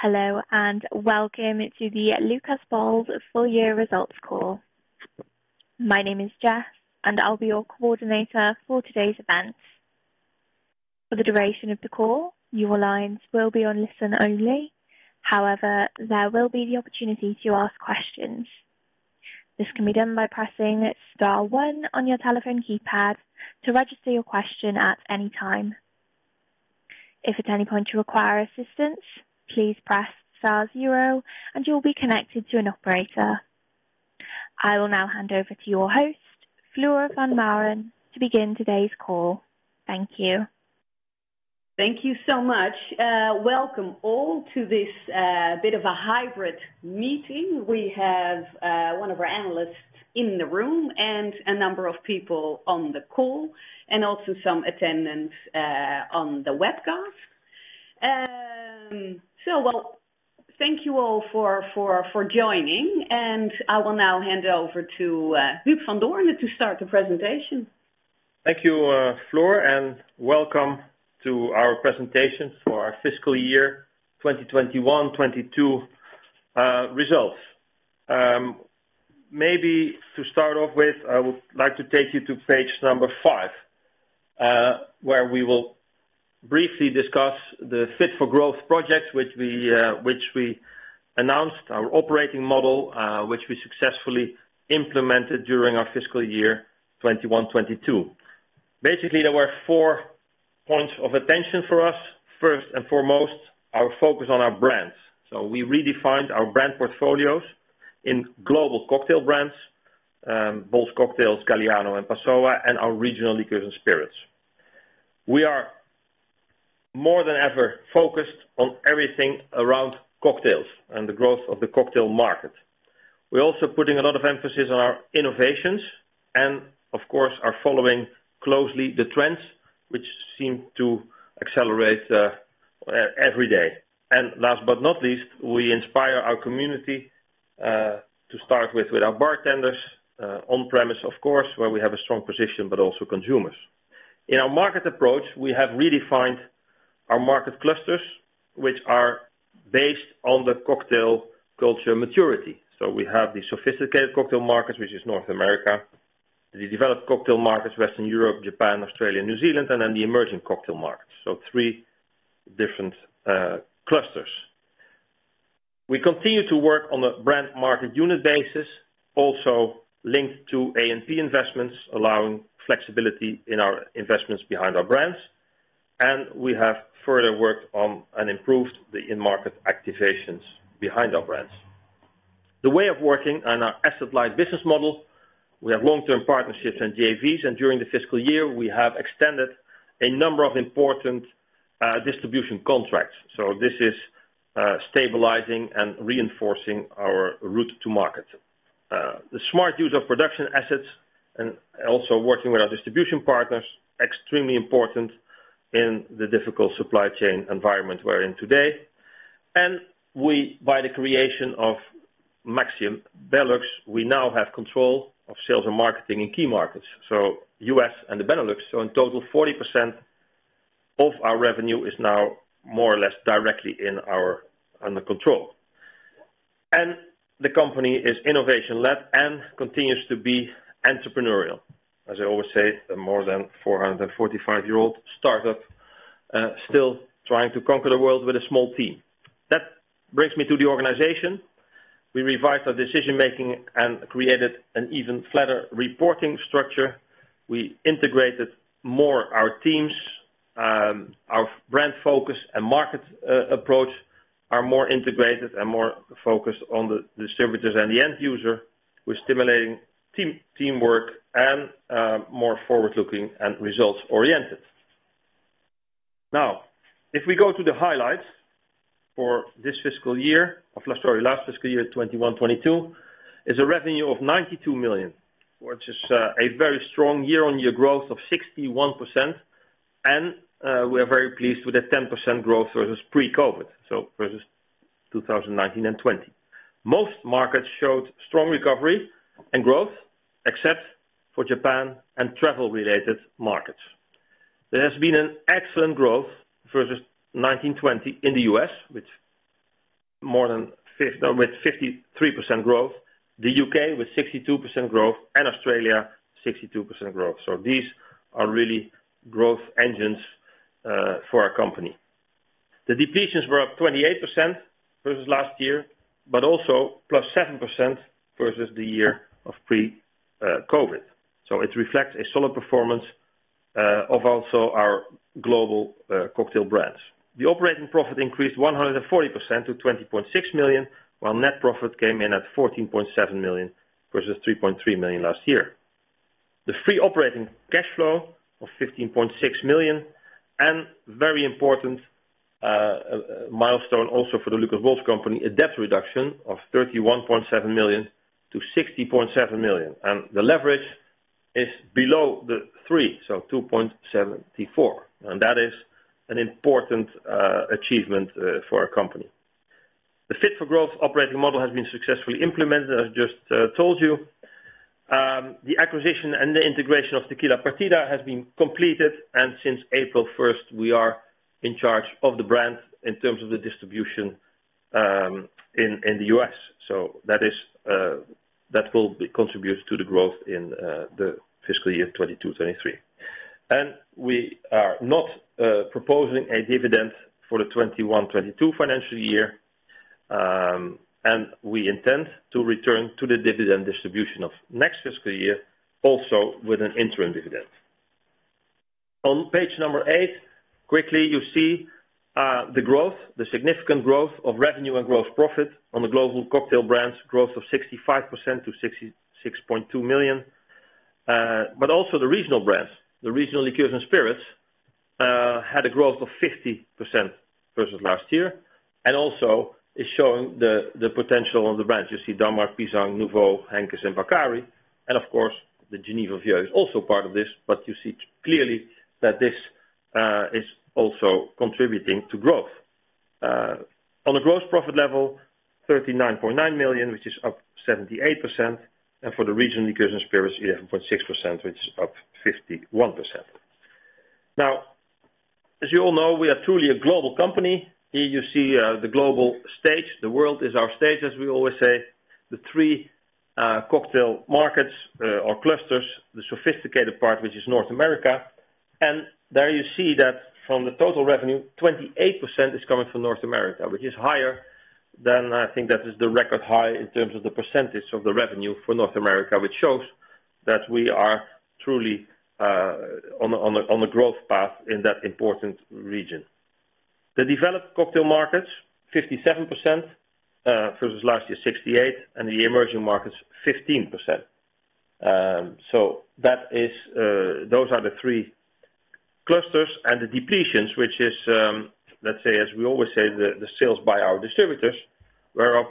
Hello, and welcome to the Lucas Bols Full Year Results Call. My name is Jess, and I'll be your coordinator for today's event. For the duration of the call, your lines will be on listen-only. However, there will be the opportunity to ask questions. This can be done by pressing star one on your telephone keypad to register your question at any time. If at any point you require assistance, please press star zero, and you'll be connected to an operator. I will now hand over to your host, Floor van Maaren, to begin today's call. Thank you. Thank you so much. Welcome all to this bit of a hybrid meeting. We have one of our analysts in the room and a number of people on the call, and also some attendants on the webcast. Well, thank you all for joining, and I will now hand over to Huub van Doorne to start the presentation. Thank you, Floor, and welcome to our presentation for our fiscal year 2021-22 results. Maybe to start off with, I would like to take you to page number 5, where we will briefly discuss the Fit for Growth projects which we announced our operating model, which we successfully implemented during our fiscal year 2021-22. Basically, there were four points of attention for us. First and foremost, our focus on our brands. We redefined our brand portfolios in global cocktail brands, Bols Cocktails, Galliano, and Passoã, and our regional liquors and spirits. We are more than ever focused on everything around cocktails and the growth of the cocktail market. We're also putting a lot of emphasis on our innovations and of course, are following closely the trends which seem to accelerate every day. Last but not least, we inspire our community, to start with our bartenders on-premise, of course, where we have a strong position, but also consumers. In our market approach, we have redefined our market clusters, which are based on the cocktail culture maturity. We have the sophisticated cocktail markets, which is North America, the developed cocktail markets, Western Europe, Japan, Australia, New Zealand, and then the emerging cocktail markets. Three different clusters. We continue to work on a brand market unit basis, also linked to A&P investments, allowing flexibility in our investments behind our brands. We have further worked on and improved the in-market activations behind our brands. The way of working on our asset-light business model, we have long-term partnerships and JVs, and during the fiscal year, we have extended a number of important distribution contracts. This is stabilizing and reinforcing our route to market. The smart use of production assets and also working with our distribution partners, extremely important in the difficult supply chain environment we're in today. By the creation of Maxxium Belux, we now have control of sales and marketing in key markets, so the U.S. and the Benelux. In total, 40% of our revenue is now more or less directly under our control. The company is innovation-led and continues to be entrepreneurial. As I always say, a more than 445-year-old startup still trying to conquer the world with a small team. That brings me to the organization. We revised our decision-making and created an even flatter reporting structure. We integrated more our teams, our brand focus and market approach are more integrated and more focused on the distributors and the end user. We're stimulating teamwork and more forward-looking and results-oriented. Now, if we go to the highlights for this fiscal year. Or sorry, last fiscal year, 2021-2022, is a revenue of 92 million, which is a very strong year-on-year growth of 61%. We are very pleased with the 10% growth versus pre-COVID, so versus 2019 and 2020. Most markets showed strong recovery and growth, except for Japan and travel-related markets. There has been an excellent growth versus 2019-2020 in the U.S., with more than with 53% growth. The U.K. with 62% growth and Australia, 62% growth. These are really growth engines for our company. The depletions were up 28% versus last year, but also plus 7% versus the pre-COVID year. It reflects a solid performance of also our global cocktail brands. The operating profit increased 140% to 20.6 million, while net profit came in at 14.7 million versus 3.3 million last year. The free operating cash flow of 15.6 million and very important milestone also for the Lucas Bols Company, a debt reduction of 31.7 million to 60.7 million. The leverage is below the three, so 2.74. That is an important achievement for our company. The Fit for Growth operating model has been successfully implemented, as I just told you. The acquisition and the integration of Tequila Partida has been completed, and since April first, we are in charge of the brand in terms of the distribution in the U.S. That will be contributed to the growth in the fiscal year 2022-2023. We are not proposing a dividend for the 2021-2022 financial year. We intend to return to the dividend distribution of next fiscal year, also with an interim dividend. On page 8, quickly you see the growth, the significant growth of revenue and growth profit on the global cocktail brands. Growth of 65% to 66.2 million. Also the regional brands, the regional liqueurs and spirits, had a growth of 50% versus last year. Also is showing the potential of the brands. You see Damrak, Pisang Ambon, Nuvo, Henkes, and Vaccari. Of course, the genever is also part of this, but you see clearly that this is also contributing to growth. On the gross profit level, 39.9 million, which is up 78%. For the regional liqueurs and spirits, 8.6%, which is up 51%. Now, as you all know, we are truly a global company. Here you see the global stage. The world is our stage, as we always say. The three cocktail markets or clusters, the sophisticated part, which is North America. There you see that from the total revenue, 28% is coming from North America, which is higher than I think that is the record high in terms of the percentage of the revenue for North America, which shows that we are truly on a growth path in that important region. The developed cocktail markets, 57%, versus last year, 68%, and the emerging markets, 15%. That is, those are the three clusters. The depletions, which is, let's say, as we always say, the sales by our distributors were up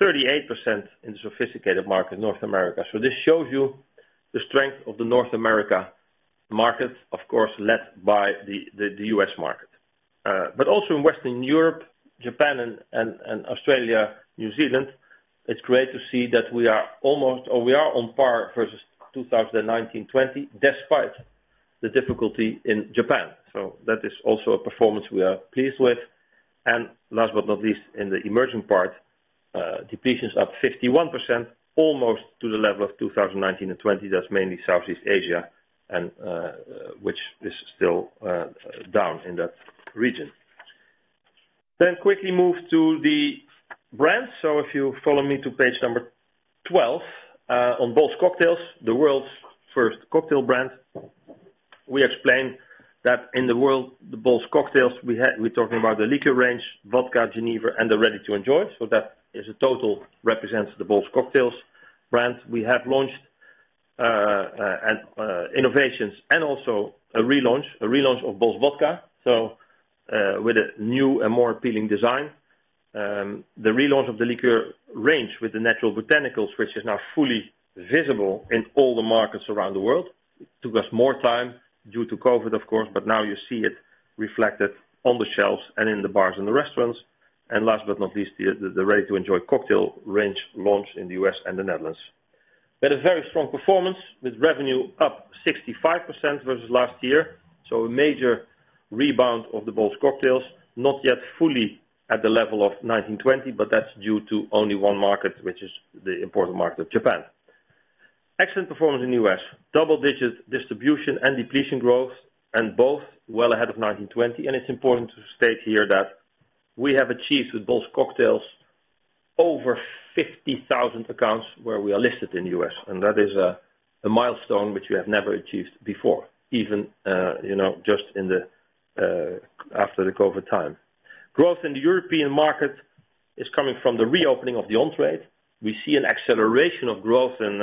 38% in the sophisticated market, North America. This shows you the strength of the North America market, of course, led by the U.S. market. also in Western Europe, Japan and Australia, New Zealand, it's great to see that we are on par versus 2019, 2020, despite the difficulty in Japan. That is also a performance we are pleased with. Last but not least, in the emerging part, depletions up 51%, almost to the level of 2019 and 2020. That's mainly Southeast Asia, which is still down in that region. Quickly move to the brands. If you follow me to page 12, on Bols Cocktails, the world's first cocktail brand. We're talking about the liqueur range, vodka, Genever, and the Ready to Enjoy. That is a total represents the Bols Cocktails brand. We have launched innovations and also a relaunch of Bols Vodka with a new and more appealing design. The relaunch of the liqueur range with the natural botanicals, which is now fully visible in all the markets around the world. It took us more time due to COVID, of course, but now you see it reflected on the shelves and in the bars and the restaurants. Last but not least, the Bols Ready to Enjoy Cocktails launch in the U.S. and the Netherlands. We had a very strong performance with revenue up 65% versus last year. A major rebound of the Bols Cocktails, not yet fully at the level of 2019, 2020, but that's due to only one market, which is the important market of Japan. Excellent performance in the U.S. Double-digit distribution and depletion growth, both well ahead of 2019, 2020. It's important to state here that we have achieved with Bols Cocktails over 50,000 accounts where we are listed in the U.S., and that is a milestone which we have never achieved before, even you know just in the after the COVID time. Growth in the European market is coming from the reopening of the on-trade. We see an acceleration of growth in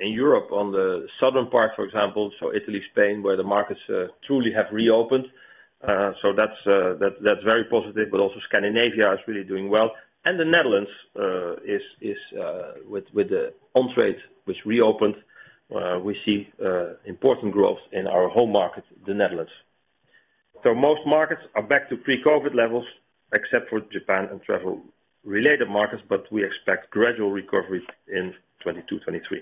Europe on the southern part, for example, so Italy, Spain, where the markets truly have reopened. So that's very positive. But also Scandinavia is really doing well. The Netherlands is with the on-trade which reopened, we see important growth in our home market, the Netherlands. Most markets are back to pre-COVID levels, except for Japan and travel-related markets, but we expect gradual recovery in 2022, 2023.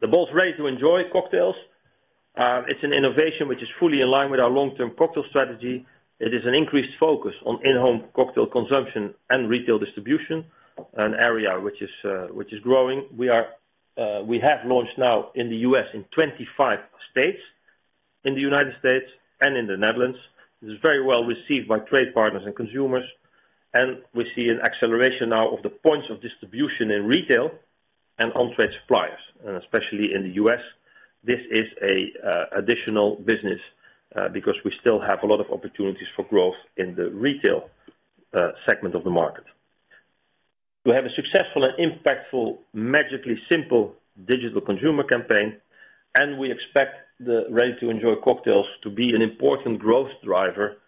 The Bols Ready to Enjoy Cocktails, it's an innovation which is fully in line with our long-term cocktail strategy. It is an increased focus on in-home cocktail consumption and retail distribution, an area which is growing. We have launched now in the U.S. in 25 states in the United States and in the Netherlands. It is very well received by trade partners and consumers, and we see an acceleration now of the points of distribution in retail and on-trade suppliers, and especially in the U.S. This is an additional business, because we still have a lot of opportunities for growth in the retail segment of the market. We have a successful and impactful, magically simple digital consumer campaign, and we expect the Ready to Enjoy cocktails to be an important growth driver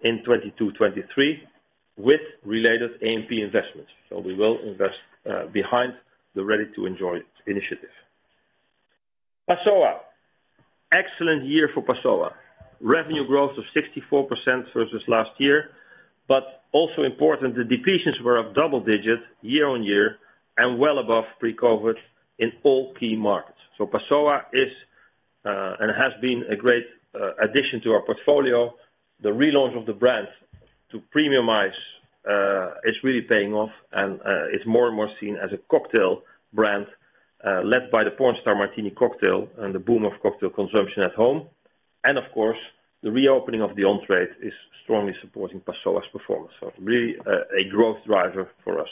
in 2022, 2023 with related A&P investments. We will invest behind the Ready to Enjoy initiative. Passoã. Excellent year for Passoã. Revenue growth of 64% versus last year, but also important, the depletions were of double digits year-on-year and well above pre-COVID in all key markets. Passoã is and has been a great addition to our portfolio. The relaunch of the brand to premiumize is really paying off and is more and more seen as a cocktail brand led by the Pornstar Martini cocktail and the boom of cocktail consumption at home. Of course, the reopening of the on-trade is strongly supporting Passoã's performance. Really a growth driver for us.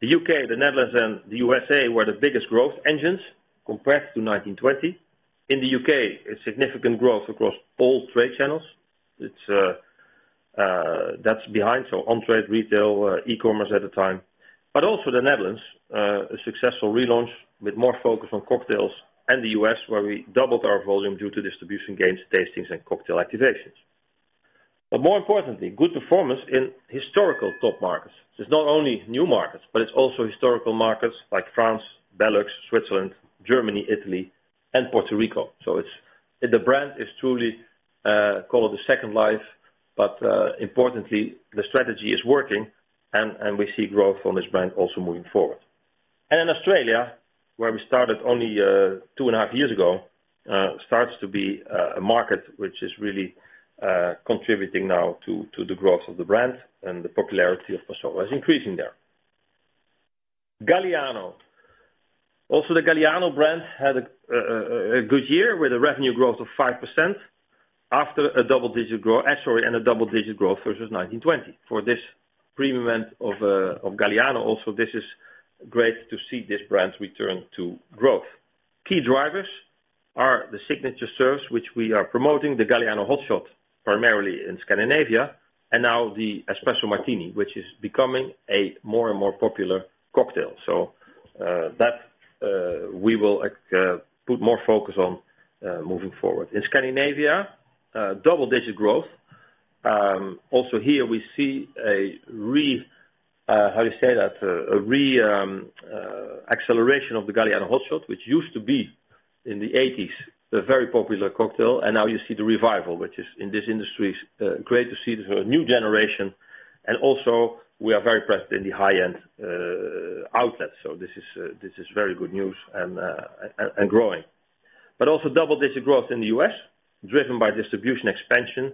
The U.K., the Netherlands, and the USA were the biggest growth engines compared to 2019-2020. In the U.K., a significant growth across all trade channels. It's that's behind. On-trade retail, e-commerce at the time, but also the Netherlands, a successful relaunch with more focus on cocktails and the U.S., where we doubled our volume due to distribution gains, tastings, and cocktail activations. More importantly, good performance in historical top markets. It's not only new markets, but it's also historical markets like France, Belux, Switzerland, Germany, Italy, and Puerto Rico. The brand is truly called the second life. Importantly, the strategy is working and we see growth from this brand also moving forward. In Australia, where we started only two and a half years ago, starts to be a market which is really contributing now to the growth of the brand and the popularity of Passoã is increasing there. Galliano. The Galliano brand had a good year with a revenue growth of 5% after a double-digit growth versus 2019-20. For this premium brand of Galliano also, this is great to see this brand's return to growth. Key drivers are the signature serves which we are promoting, the Galliano Hot Shot, primarily in Scandinavia, and now the Espresso Martini, which is becoming a more and more popular cocktail. That we will put more focus on moving forward. In Scandinavia, double-digit growth. Also here we see a How you say that? Acceleration of the Galliano Hot Shot, which used to be in the '80s, a very popular cocktail. Now you see the revival, which is in this industry, great to see the new generation. Also we are very present in the high-end outlets. This is very good news and growing. Also double-digit growth in the U.S., driven by distribution expansion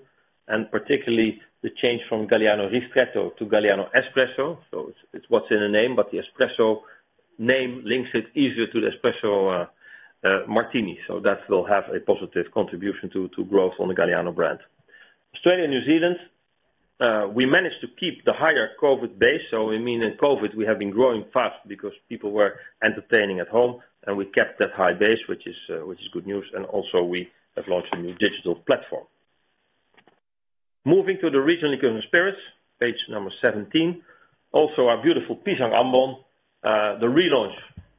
and particularly the change from Galliano Ristretto to Galliano Espresso. It's what's in a name, but the Espresso name links it easier to the Espresso Martini. That will have a positive contribution to growth on the Galliano brand. Australia and New Zealand, we managed to keep the higher COVID base. We mean in COVID, we have been growing fast because people were entertaining at home, and we kept that high base, which is good news. We have launched a new digital platform. Moving to the regionally grown spirits, page number 17. Also our beautiful Pisang Ambon. The relaunch,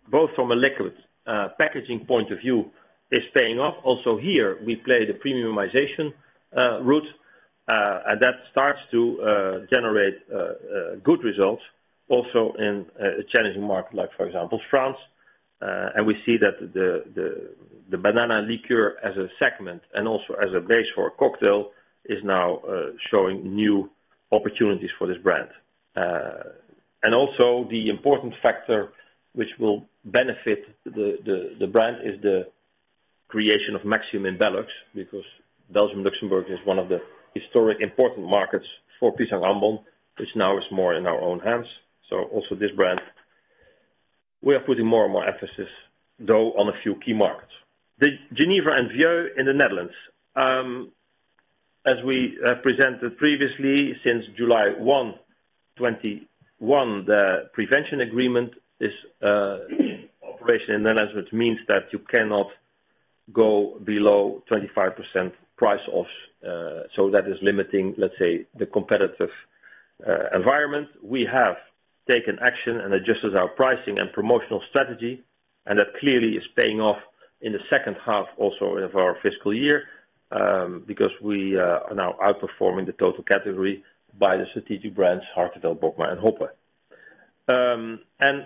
both from a liquid, packaging point of view, is paying off. Also here we play the premiumization route, and that starts to generate good results also in a challenging market like for example, France. We see that the banana liqueur as a segment and also as a base for a cocktail is now showing new opportunities for this brand. Also the important factor which will benefit the brand is the creation of Maxxium Belux, because Belgium and Luxembourg is one of the historic important markets for Pisang Ambon, which now is more in our own hands. This brand, we are putting more and more emphasis on a few key markets. The Genever and Vieux in the Netherlands. As we presented previously since July 1, 2021, the National Prevention Agreement is operation in the Netherlands, which means that you cannot go below 25% price of. That is limiting the competitive environment. We have taken action and adjusted our pricing and promotional strategy, and that clearly is paying off in the second half also of our fiscal year, because we are now outperforming the total category by the strategic brands, Hartevelt, Bokma, and Hoppe.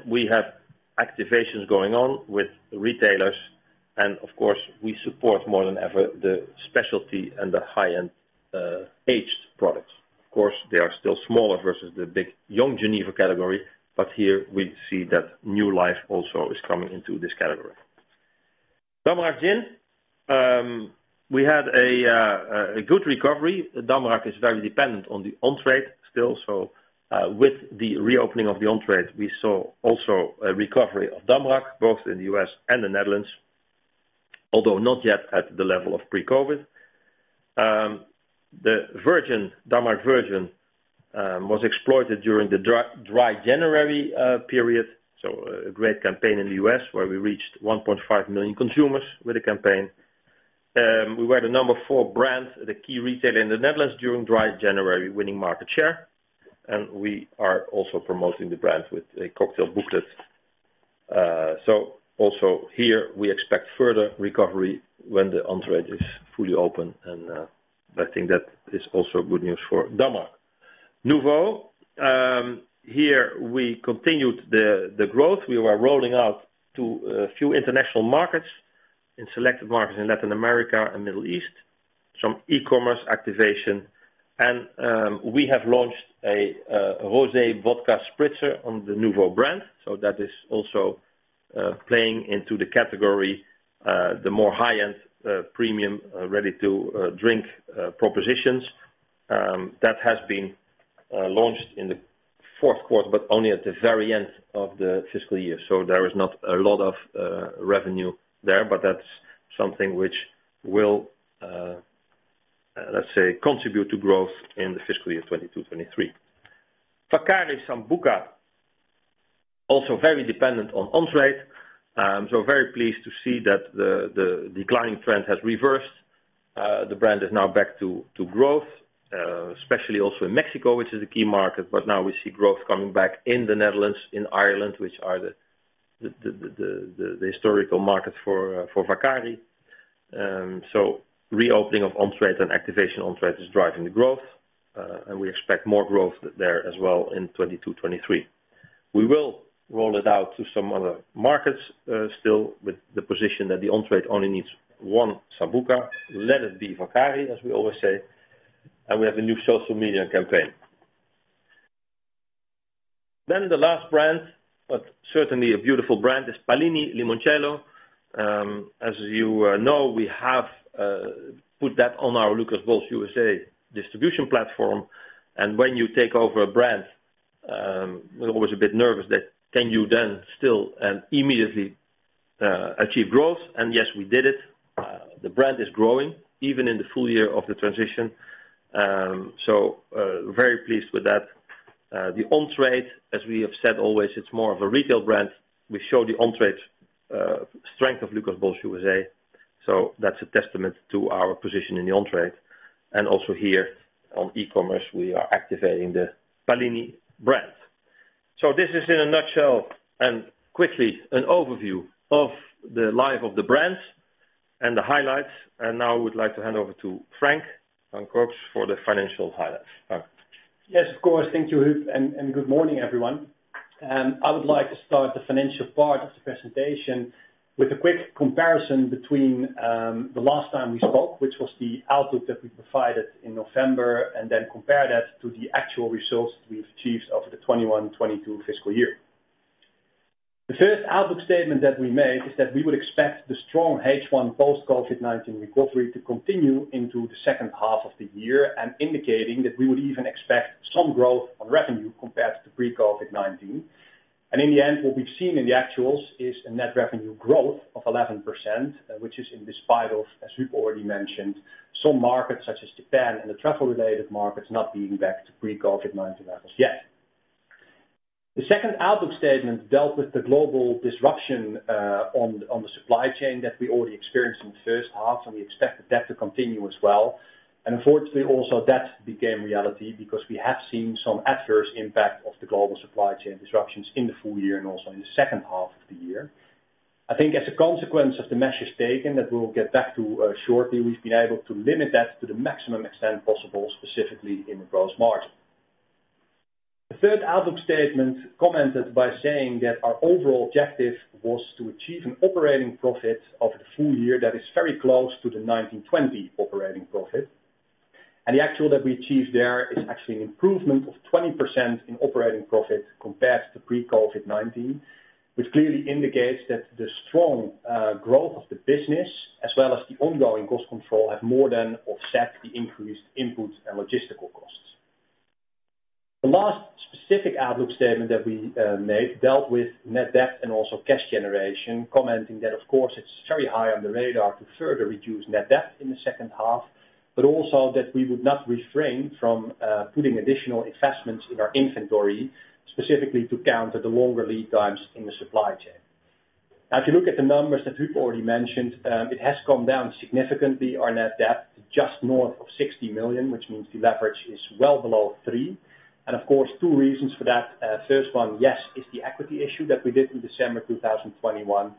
We have activations going on with retailers, and of course, we support more than ever the specialty and the high-end aged products. Of course, they are still smaller versus the big young Genever category, but here we see that new life also is coming into this category. Damrak Gin. We had a good recovery. Damrak is very dependent on the on-trade still. With the reopening of the on-trade, we saw also a recovery of Damrak both in the U.S. and the Netherlands, although not yet at the level of pre-COVID. The Virgin, Damrak Virgin, was exploited during the Dry January period. A great campaign in the U.S. where we reached 1.5 million consumers with the campaign. We were the number 4 brand at a key retailer in the Netherlands during Dry January, winning market share. We are also promoting the brand with a cocktail booklet. We expect further recovery here when the on-trade is fully open. I think that is also good news for Damrak. Nuvo, here we continued the growth. We were rolling out to a few international markets, in selected markets in Latin America and Middle East, some e-commerce activation, and we have launched a rosé vodka spritzer on the Nuvo brand. That is also playing into the category, the more high-end premium ready-to-drink propositions that has been launched in the fourth quarter, but only at the very end of the fiscal year. There is not a lot of revenue there, but that's something which will, let's say, contribute to growth in the fiscal year 2022, 2023. Vaccari Sambuca, also very dependent on on-trade. Very pleased to see that the declining trend has reversed. The brand is now back to growth, especially also in Mexico, which is a key market. Now we see growth coming back in the Netherlands, in Ireland, which are the historical markets for Vaccari. Reopening of on-trade and activation on-trade is driving the growth, and we expect more growth there as well in 2022, 2023. We will roll it out to some other markets, still with the position that the on-trade only needs one Sambuca. Let it be Vaccari, as we always say, and we have a new social media campaign. The last brand, but certainly a beautiful brand, is Pallini Limoncello. As you know, we have put that on our Lucas Bols USA distribution platform. When you take over a brand, we're always a bit nervous that you can then still immediately achieve growth? Yes, we did it. The brand is growing even in the full year of the transition. Very pleased with that. The on-trade, as we have always said, it's more of a retail brand. We show the on-trade strength of Lucas Bols USA. That's a testament to our position in the on-trade. Also here on e-commerce, we are activating the Pallini brand. This is in a nutshell and quickly an overview of the life of the brands and the highlights. Now I would like to hand over to Frank Cocx for the financial highlights. Frank. Yes, of course. Thank you, Huub, and good morning, everyone. I would like to start the financial part of the presentation with a quick comparison between the last time we spoke, which was the outlook that we provided in November, and then compare that to the actual results we've achieved over the 2021-2022 fiscal year. The first outlook statement that we made is that we would expect the strong H1 post-COVID-19 recovery to continue into the second half of the year and indicating that we would even expect some growth on revenue compared to pre-COVID-19. In the end, what we've seen in the actuals is a net revenue growth of 11%, which is in spite of, as Huub already mentioned, some markets such as Japan and the travel-related markets not being back to pre-COVID-19 levels yet. The second outlook statement dealt with the global disruption on the supply chain that we already experienced in the first half, and we expected that to continue as well. Unfortunately, also that became reality because we have seen some adverse impact of the global supply chain disruptions in the full year and also in the second half of the year. I think as a consequence of the measures taken that we'll get back to shortly, we've been able to limit that to the maximum extent possible, specifically in the gross margin. The third outlook statement commented by saying that our overall objective was to achieve an operating profit of the full year that is very close to the 19-20 operating profit. The actual that we achieved there is actually an improvement of 20% in operating profit compared to pre-COVID-19, which clearly indicates that the strong growth of the business as well as the ongoing cost control have more than offset the increased input and logistical costs. The last specific outlook statement that we made dealt with net debt and also cash generation, commenting that, of course, it's very high on the radar to further reduce net debt in the second half, but also that we would not refrain from putting additional investments in our inventory, specifically to counter the longer lead times in the supply chain. Now, if you look at the numbers that Huub already mentioned, it has come down significantly, our net debt, to just north of 60 million, which means the leverage is well below three. Of course, two reasons for that. First one, yes, is the equity issue that we did in December 2021.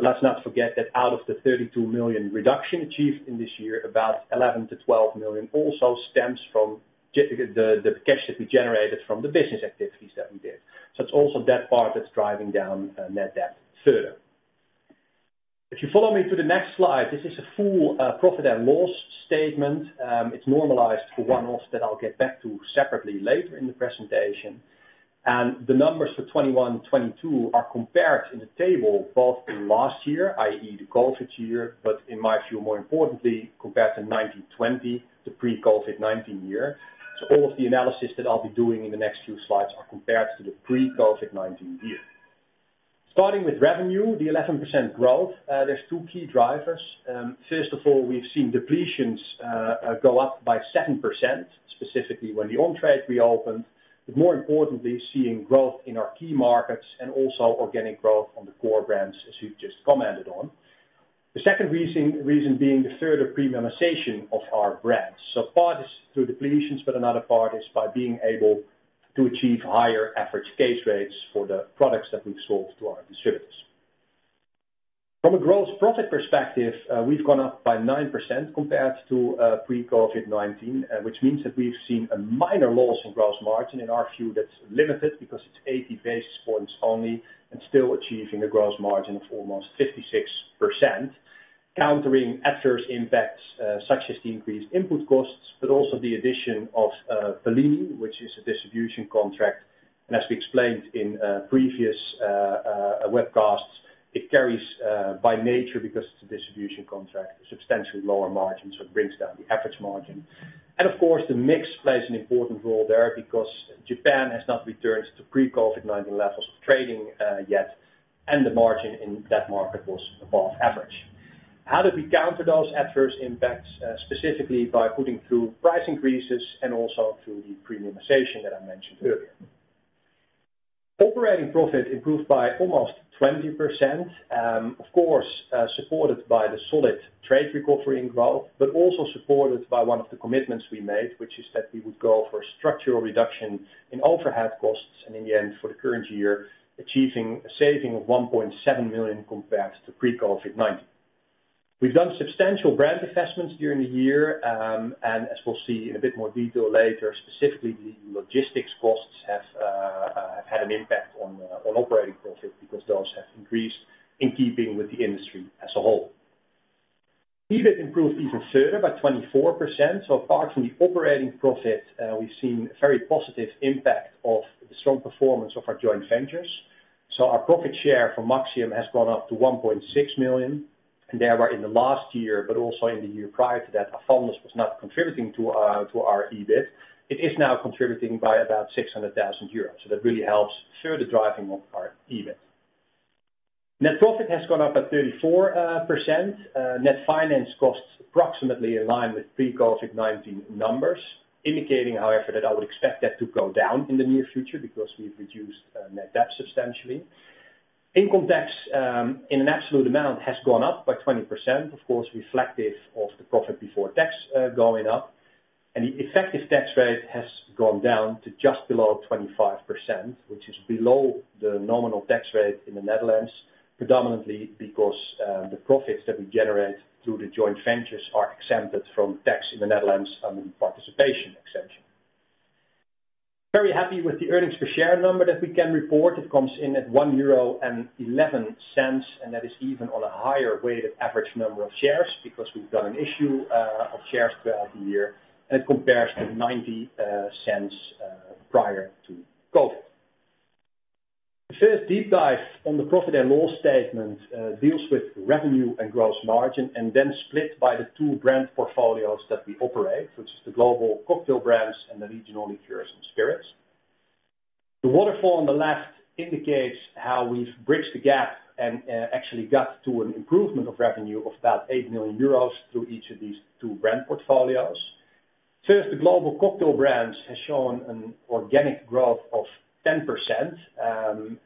Let's not forget that out of the 32 million reduction achieved in this year, about 11-12 million also stems from the cash that we generated from the business activities that we did. It's also that part that's driving down net debt further. If you follow me to the next slide, this is a full profit and loss statement. It's normalized for one-offs that I'll get back to separately later in the presentation. The numbers for 2021, 2022 are compared in the table, both in last year, i.e., the COVID year, but in my view, more importantly, compared to 2019-20, the pre-COVID-19 year. All of the analysis that I'll be doing in the next few slides are compared to the pre-COVID-19 year. Starting with revenue, the 11% growth, there's two key drivers. First of all, we've seen depletions go up by 7%, specifically when the on-trade reopened. More importantly, seeing growth in our key markets and also organic growth on the core brands, as Huub just commented on. The second reason being the further premiumization of our brands. Part is through depletions, but another part is by being able to achieve higher average case rates for the products that we've sold to our distributors. From a gross profit perspective, we've gone up by 9% compared to pre-COVID-19, which means that we've seen a minor loss in gross margin. In our view, that's limited because it's 80 basis points only and still achieving a gross margin of almost 56%. Countering adverse impacts, such as the increased input costs, but also the addition of Pallini, which is a distribution contract. As we explained in previous webcasts, it carries, by nature because it's a distribution contract, substantially lower margins, so it brings down the average margin. Of course, the mix plays an important role there because Japan has not returned to pre-COVID-19 levels of trading yet, and the margin in that market was above average. How did we counter those adverse impacts? Specifically by putting through price increases and also through the premiumization that I mentioned earlier. Operating profit improved by almost 20%. Of course, supported by the solid trade recovery in growth, but also supported by one of the commitments we made, which is that we would go for a structural reduction in overhead costs and in the end, for the current year, achieving a saving of 1.7 million compared to pre-COVID-19. We've done substantial brand investments during the year, and as we'll see in a bit more detail later, specifically, the logistics costs have had an impact on operating profit because those have increased in keeping with the industry as a whole. EBIT improved even further by 24%. Apart from the operating profit, we've seen very positive impact of the strong performance of our joint ventures. Our profit share from Maxxium has gone up to 1.6 million. There were in the last year, but also in the year prior to that, Avandis was not contributing to our EBIT. It is now contributing by about 600 thousand euros. That really helps further driving of our EBIT. Net profit has gone up by 34%. Net finance costs approximately in line with pre-COVID-19 numbers, indicating, however, that I would expect that to go down in the near future because we've reduced net debt substantially. Income tax, in an absolute amount, has gone up by 20%, of course, reflective of the profit before tax going up. The effective tax rate has gone down to just below 25%, which is below the nominal tax rate in the Netherlands, predominantly because the profits that we generate through the joint ventures are exempted from tax in the Netherlands, in participation exemption. Very happy with the earnings per share number that we can report. It comes in at 1.11 euro, and that is even on a higher weighted average number of shares because we've done an issue of shares throughout the year, and it compares to 0.90 prior to COVID. The first deep dive on the profit and loss statement deals with revenue and gross margin, and then split by the two brand portfolios that we operate, which is the global cocktail brands and the regional liqueurs and spirits. The waterfall on the left indicates how we've bridged the gap and actually got to an improvement of revenue of about 8 million euros through each of these two brand portfolios. First, the global cocktail brands has shown an organic growth of 10%.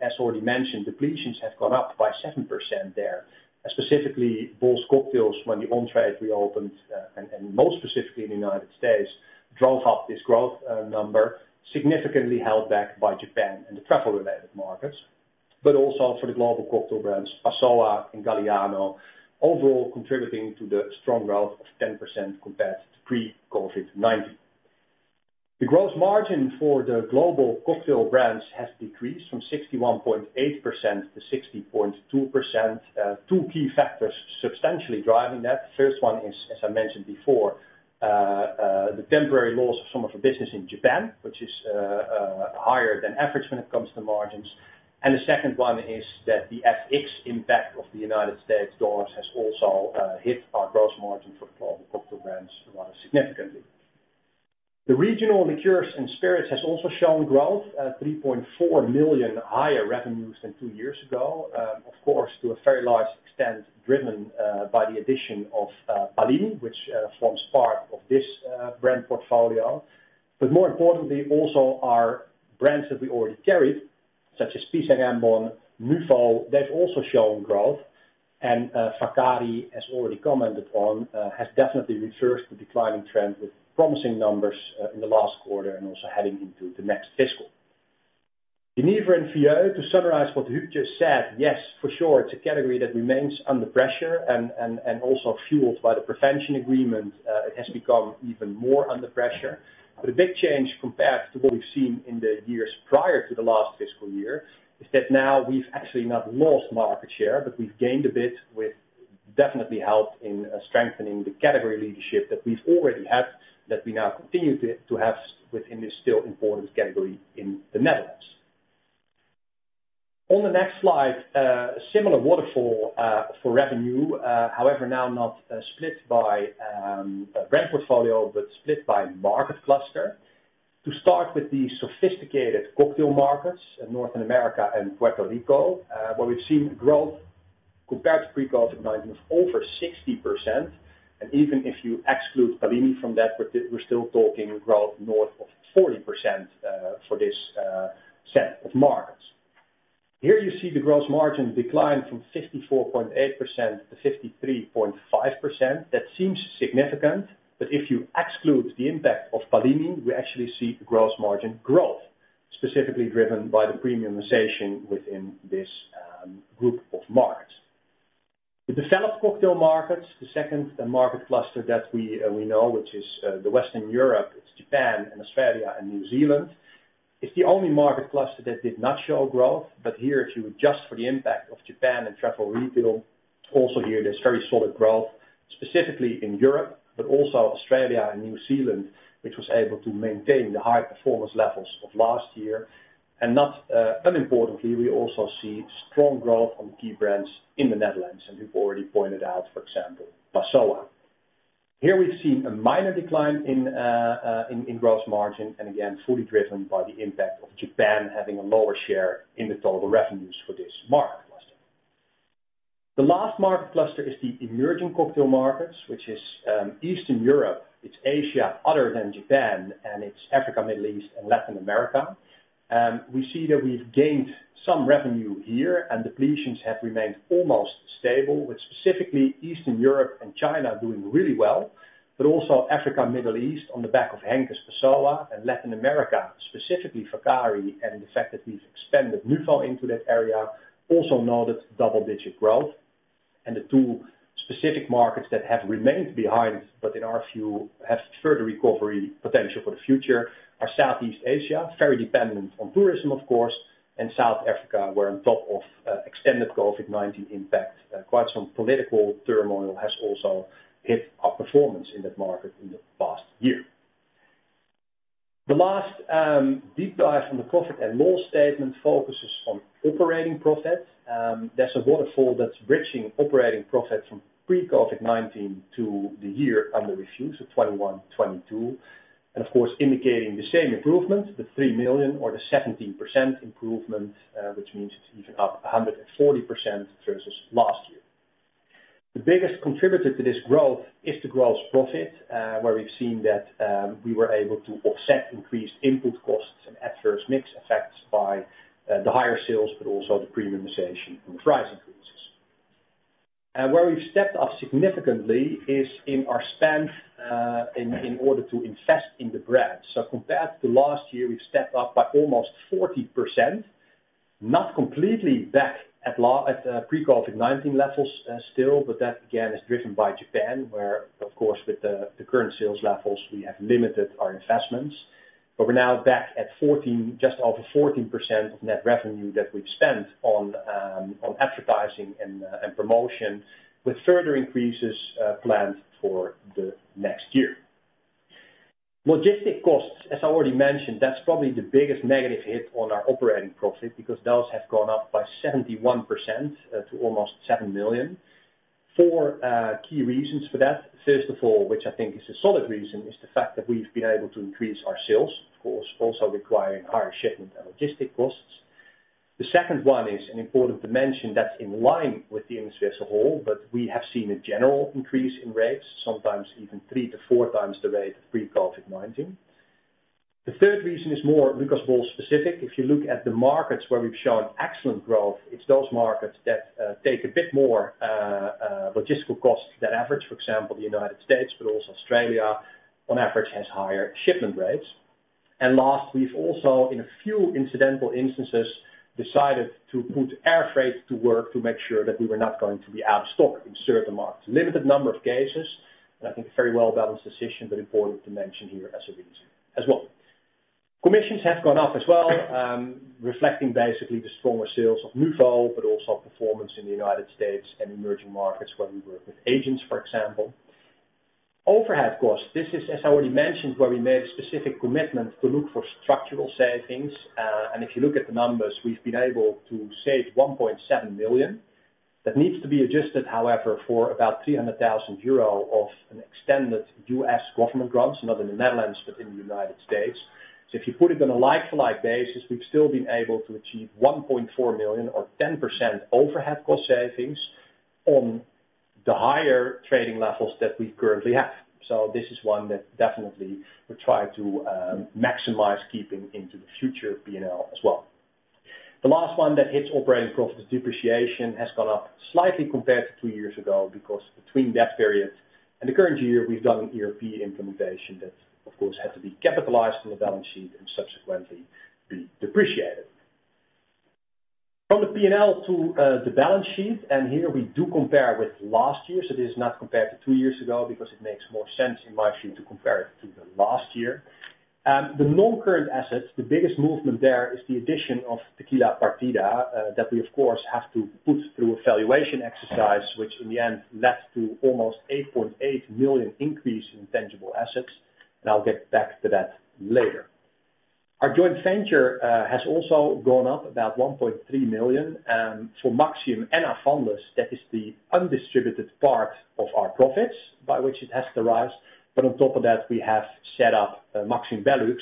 As already mentioned, depletions have gone up by 7% there. Specifically, Bols Cocktails, when the on-trade reopened, and most specifically in the United States, drove up this growth number significantly, held back by Japan and the travel related markets. Also for the global cocktail brands, Passoã and Galliano overall contributing to the strong growth of 10% compared to pre-COVID-19. The gross margin for the global cocktail brands has decreased from 61.8% to 60.2%. Two key factors substantially driving that. The first one is, as I mentioned before, the temporary loss of some of the business in Japan, which is higher than average when it comes to margins. The second one is that the FX impact of the U.S. dollars has also hit our gross margin for the global cocktail brands rather significantly. The regional liqueurs and spirits has also shown growth at 3.4 million higher revenues than two years ago, of course, to a very large extent, driven by the addition of Pallini, which forms part of this brand portfolio. More importantly, also our brands that we already carried, such as Pisang Ambon, Nuvo, they've also shown growth. Vaccari, as already commented on, has definitely reversed the declining trend with promising numbers in the last quarter and also heading into the next fiscal. Genever and Vieux, to summarize what Huub just said, yes, for sure, it's a category that remains under pressure and also fueled by the National Prevention Agreement, it has become even more under pressure. But a big change compared to what we've seen in the years prior to the last fiscal year is that now we've actually not lost market share, but we've gained a bit which definitely helped in strengthening the category leadership that we've already had, that we now continue to have within this still important category in the Netherlands. On the next slide, similar waterfall for revenue, however, now not split by brand portfolio, but split by market cluster. To start with the sophisticated cocktail markets in Northern America and Puerto Rico, where we've seen growth compared to pre-COVID-19 of over 60%. Even if you exclude Pallini from that, we're still talking growth north of 40%, for this set of markets. Here you see the gross margin decline from 54.8% to 53.5%. That seems significant, but if you exclude the impact of Pallini, we actually see gross margin growth. Specifically driven by the premiumization within this group of markets. The developed cocktail markets, the second market cluster that we know, which is the Western Europe, it's Japan and Australia and New Zealand. It's the only market cluster that did not show growth. Here, if you adjust for the impact of Japan and travel retail, also here, there's very solid growth, specifically in Europe, but also Australia and New Zealand, which was able to maintain the high performance levels of last year. Not unimportantly, we also see strong growth on key brands in the Netherlands. We've already pointed out, for example, Passoã. Here we've seen a minor decline in gross margin, and again, fully driven by the impact of Japan having a lower share in the total revenues for this market cluster. The last market cluster is the emerging cocktail markets, which is Eastern Europe, it's Asia, other than Japan, and it's Africa, Middle East, and Latin America. We see that we've gained some revenue here, and depletions have remained almost stable, with specifically Eastern Europe and China doing really well, but also Africa, Middle East on the back of Henkes Passoã and Latin America, specifically, Vaccari and the fact that we've expanded Nuvo into that area also noted double-digit growth. The two specific markets that have remained behind, but in our view, have further recovery potential for the future are Southeast Asia, very dependent on tourism, of course, and South Africa, where on top of extended COVID-19 impact, quite some political turmoil has also hit our performance in that market in the past year. The last deep dive from the profit and loss statement focuses on operating profits. That's a waterfall that's bridging operating profits from pre-COVID-19 to the year under review, so 2021, 2022, and of course, indicating the same improvement, the 3 million or the 17% improvement, which means it's even up 140% versus last year. The biggest contributor to this growth is the gross profit, where we've seen that we were able to offset increased input costs and adverse mix effects by the higher sales, but also the premiumization and the price increases. Where we've stepped up significantly is in our spend, in order to invest in the brand. Compared to last year, we've stepped up by almost 40%, not completely back at pre-COVID-19 levels, still, but that, again, is driven by Japan, where, of course, with the current sales levels, we have limited our investments. We're now back at 14%, just over 14% of net revenue that we've spent on advertising and promotion, with further increases planned for the next year. Logistics costs, as I already mentioned, that's probably the biggest negative hit on our operating profit because those have gone up by 71% to almost 7 million. Four key reasons for that. First of all, which I think is a solid reason, is the fact that we've been able to increase our sales, of course, also requiring higher shipment and logistics costs. The second one is an important dimension that's in line with the industry as a whole, but we have seen a general increase in rates, sometimes even three to four times the rate of pre-COVID-19. The third reason is more Lucas Bols specific. If you look at the markets where we've shown excellent growth, it's those markets that take a bit more logistical costs than average. For example, the United States, but also Australia, on average, has higher shipment rates. Last, we've also, in a few incidental instances, decided to put air freight to work to make sure that we were not going to be out of stock in certain markets. Limited number of cases, and I think very well-balanced decision, but important to mention here as a reason as well. Commissions have gone up as well, reflecting basically the stronger sales of Nuvo, but also performance in the United States and emerging markets where we work with agents, for example. Overhead costs. This is, as I already mentioned, where we made a specific commitment to look for structural savings. If you look at the numbers, we've been able to save 1.7 million. That needs to be adjusted, however, for about 300,000 euro of an extended U.S. government grants, not in the Netherlands, but in the United States. If you put it on a like-for-like basis, we've still been able to achieve 1.4 million or 10% overhead cost savings on the higher trading levels that we currently have. This is one that definitely we try to maximize keeping into the future P&L as well. The last one that hits operating profit is depreciation has gone up slightly compared to two years ago because between that period and the current year, we've done an ERP implementation that, of course, had to be capitalized on the balance sheet and subsequently be depreciated. From the P&L to the balance sheet, and here we do compare with last year, so this is not compared to two years ago because it makes more sense, in my view, to compare it to the last year. The non-current assets, the biggest movement there is the addition of Tequila Partida that we, of course, have to put through a valuation exercise, which in the end led to almost 8.8 million increase in tangible assets, and I'll get back to that later. Our joint venture has also gone up about 1.3 million. For Maxxium and our founders, that is the undistributed part of our profits by which it has to rise. On top of that, we have set up a Maxxium Belux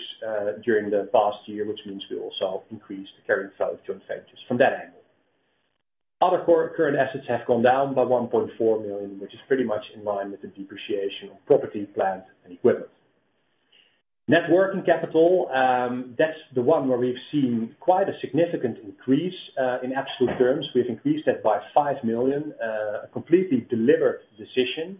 during the past year, which means we also increased the carrying value of joint ventures from that angle. Other current assets have gone down by 1.4 million, which is pretty much in line with the depreciation of property, plant, and equipment. Net working capital, that's the one where we've seen quite a significant increase in absolute terms. We've increased that by 5 million, a completely deliberate decision.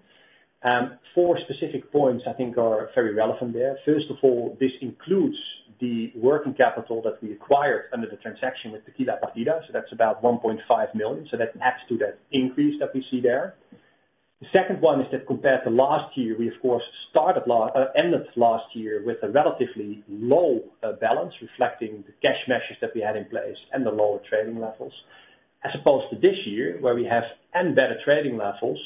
Four specific points I think are very relevant there. First of all, this includes the working capital that we acquired under the transaction with Tequila Partida, so that's about 1.5 million. That adds to that increase that we see there. The second one is that compared to last year, we of course ended last year with a relatively low balance reflecting the cash measures that we had in place and the lower trading levels, as opposed to this year, where we have and better trading levels,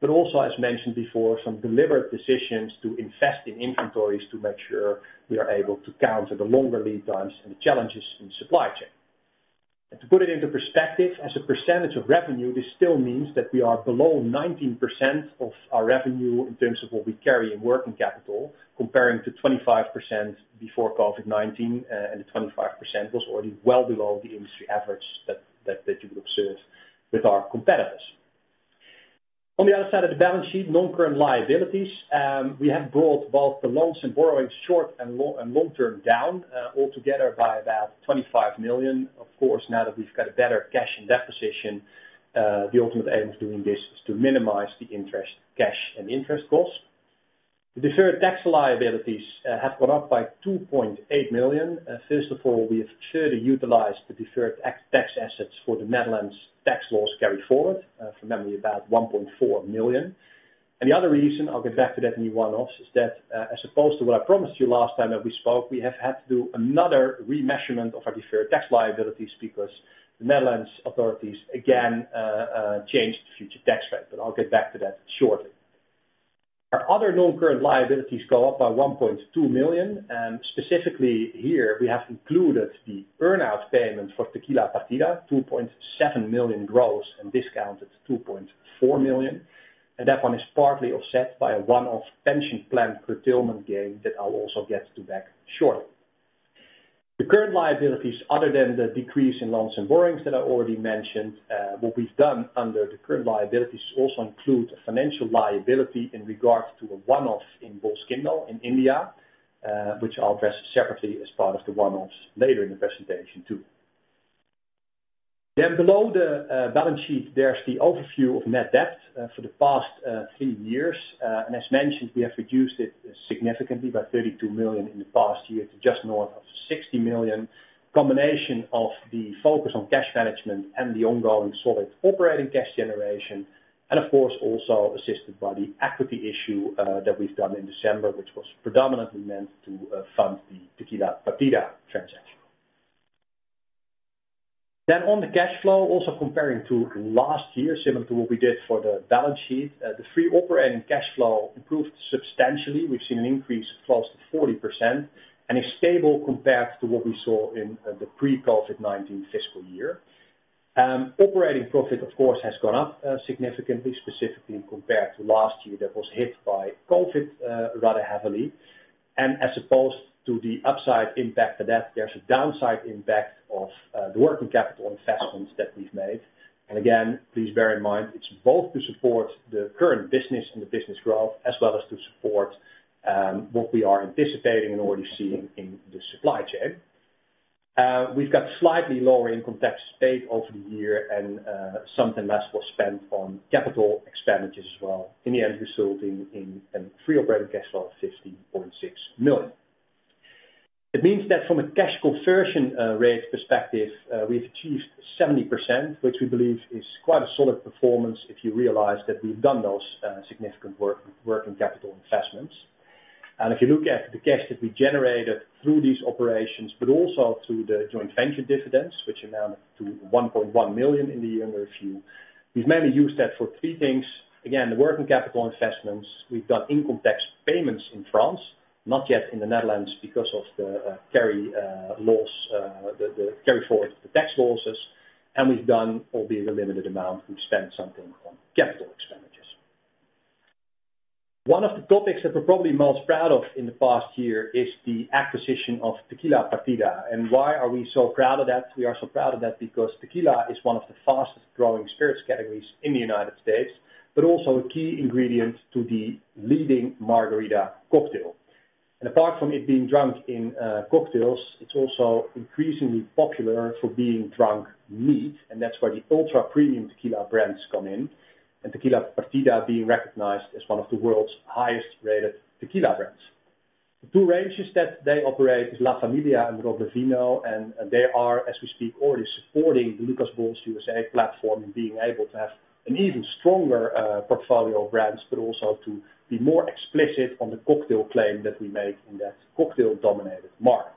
but also, as mentioned before, some deliberate decisions to invest in inventories to make sure we are able to counter the longer lead times and the challenges in the supply chain. To put it into perspective, as a percentage of revenue, this still means that we are below 19% of our revenue in terms of what we carry in working capital, comparing to 25% before COVID-19, and the 25% was already well below the industry average that you would observe with our competitors. On the other side of the balance sheet, non-current liabilities, we have brought both the loans and borrowings short- and long-term down, all together by about 25 million. Of course, now that we've got a better cash and debt position, the ultimate aim of doing this is to minimize the interest, cash and interest costs. The deferred tax liabilities have gone up by 2.8 million. First of all, we have further utilized the deferred tax assets for the Netherlands tax loss carry forward, from memory, about 1.4 million. The other reason I'll get back to that in the one-offs is that, as opposed to what I promised you last time that we spoke, we have had to do another remeasurement of our deferred tax liabilities because the Netherlands authorities again changed the future tax rate. I'll get back to that shortly. Our other non-current liabilities go up by 1.2 million. Specifically here, we have included the earn-out payment for Tequila Partida, 2.7 million gross and discounted 2.4 million. That one is partly offset by a one-off pension plan curtailment gain that I'll also get to that shortly. The current liabilities other than the decrease in loans and borrowings that I already mentioned, what we've done under the current liabilities also include a financial liability in regards to a one-off in Bols Kyndal in India, which I'll address separately as part of the one-offs later in the presentation too. Below the balance sheet, there's the overview of net debt for the past three years. As mentioned, we have reduced it significantly by 32 million in the past year to just north of 60 million. Combination of the focus on cash management and the ongoing solid operating cash generation, and of course, also assisted by the equity issue that we've done in December, which was predominantly meant to fund the Tequila Partida transaction. On the cash flow, also comparing to last year, similar to what we did for the balance sheet, the free operating cash flow improved substantially. We've seen an increase close to 40% and is stable compared to what we saw in the pre-COVID-19 fiscal year. Operating profit, of course, has gone up significantly, specifically compared to last year that was hit by COVID rather heavily. As opposed to the upside impact of that, there's a downside impact of the working capital investments that we've made. Again, please bear in mind, it's both to support the current business and the business growth, as well as to support what we are anticipating and already seeing in the supply chain. We've got slightly lower income tax paid over the year and some of that was spent on capital expenditures as well, in the end, resulting in a free operating cash flow of 50.6 million. It means that from a cash conversion rate perspective, we've achieved 70%, which we believe is quite a solid performance if you realize that we've done those significant working capital investments. If you look at the cash that we generated through these operations, but also through the joint venture dividends, which amounted to 1.1 million in the year under review. We've mainly used that for three things. Again, the working capital investments, we've done income tax payments in France, not yet in the Netherlands because of the carry forward tax losses. We've done, albeit a limited amount, we've spent something on capital expenditures. One of the topics that we're probably most proud of in the past year is the acquisition of Tequila Partida. Why are we so proud of that? We are so proud of that because tequila is one of the fastest growing spirits categories in the United States, but also a key ingredient to the leading margarita cocktail. Apart from it being drunk in cocktails, it's also increasingly popular for being drunk neat, and that's where the ultra-premium tequila brands come in. Tequila Partida being recognized as one of the world's highest rated tequila brands. The two ranges that they operate is La Familia and Roble Fino, and they are, as we speak, already supporting the Lucas Bols USA platform in being able to have an even stronger portfolio of brands, but also to be more explicit on the cocktail claim that we make in that cocktail-dominated market.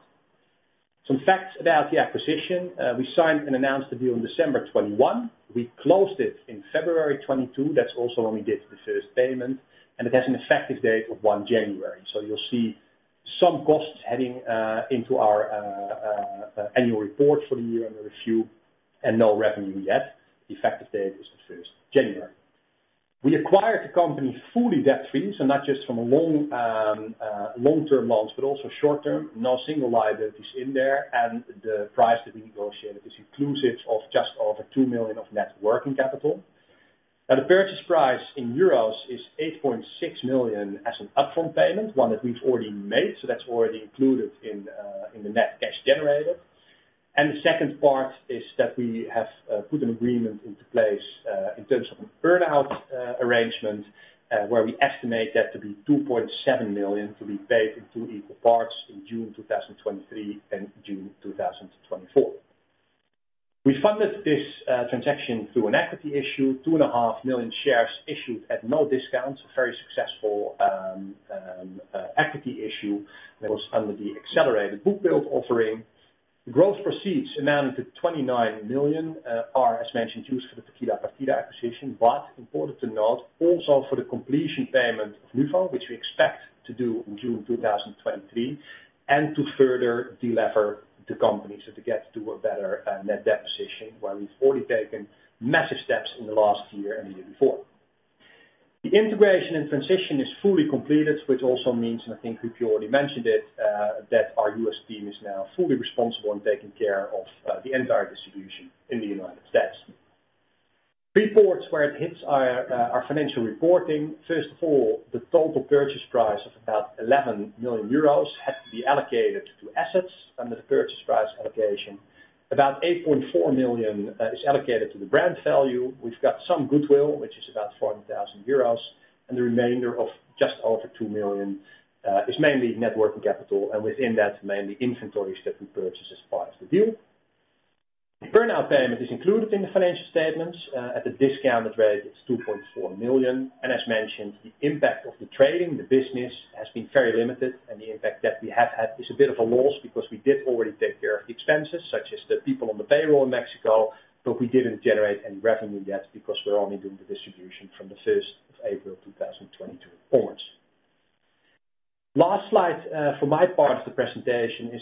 Some facts about the acquisition. We signed and announced the deal in December 2021. We closed it in February 2022. That's also when we did the first payment, and it has an effective date of 1 January. You'll see some costs heading into our annual report for the year under review and no revenue yet. Effective date is 1 January. We acquired the company fully debt-free, so not just from a long-term loans, but also short-term. No single liability is in there, and the price that we negotiated is inclusive of just over 2 million of net working capital. Now, the purchase price in euros is 8.6 million as an upfront payment, one that we've already made. That's already included in the net cash generated. The second part is that we have put an agreement into place in terms of an earn-out arrangement, where we estimate that to be 2.7 million to be paid in two equal parts in June 2023 and June 2024. We funded this transaction through an equity issue, 2.5 million shares issued at no discount, a very successful equity issue that was under the accelerated bookbuild offering. The growth proceeds amounted to 29 million, as mentioned, used for the Tequila Partida acquisition, but important to note, also for the completion payment of Nuvo, which we expect to do in June 2023, and to further delever the company, so to get to a better net debt position, where we've already taken massive steps in the last year and the year before. The integration and transition is fully completed, which also means, and I think we've already mentioned it, that our U.S. team is now fully responsible in taking care of the entire distribution in the United States. Reports where it hits our financial reporting. First of all, the total purchase price of about 11 million euros had to be allocated to assets under the purchase price allocation. About 8.4 million is allocated to the brand value. We've got some goodwill, which is about 400,000 euros, and the remainder of just over 2 million is mainly net working capital, and within that, mainly inventories that we purchased as part of the deal. The earnout payment is included in the financial statements. At the discounted rate, it's 2.4 million. As mentioned, the impact of the trading, the business, has been very limited, and the impact that we have had is a bit of a loss because we did already take care of the expenses, such as the people on the payroll in Mexico, but we didn't generate any revenue yet because we're only doing the distribution from the first of April 2022 onwards. Last slide for my part of the presentation is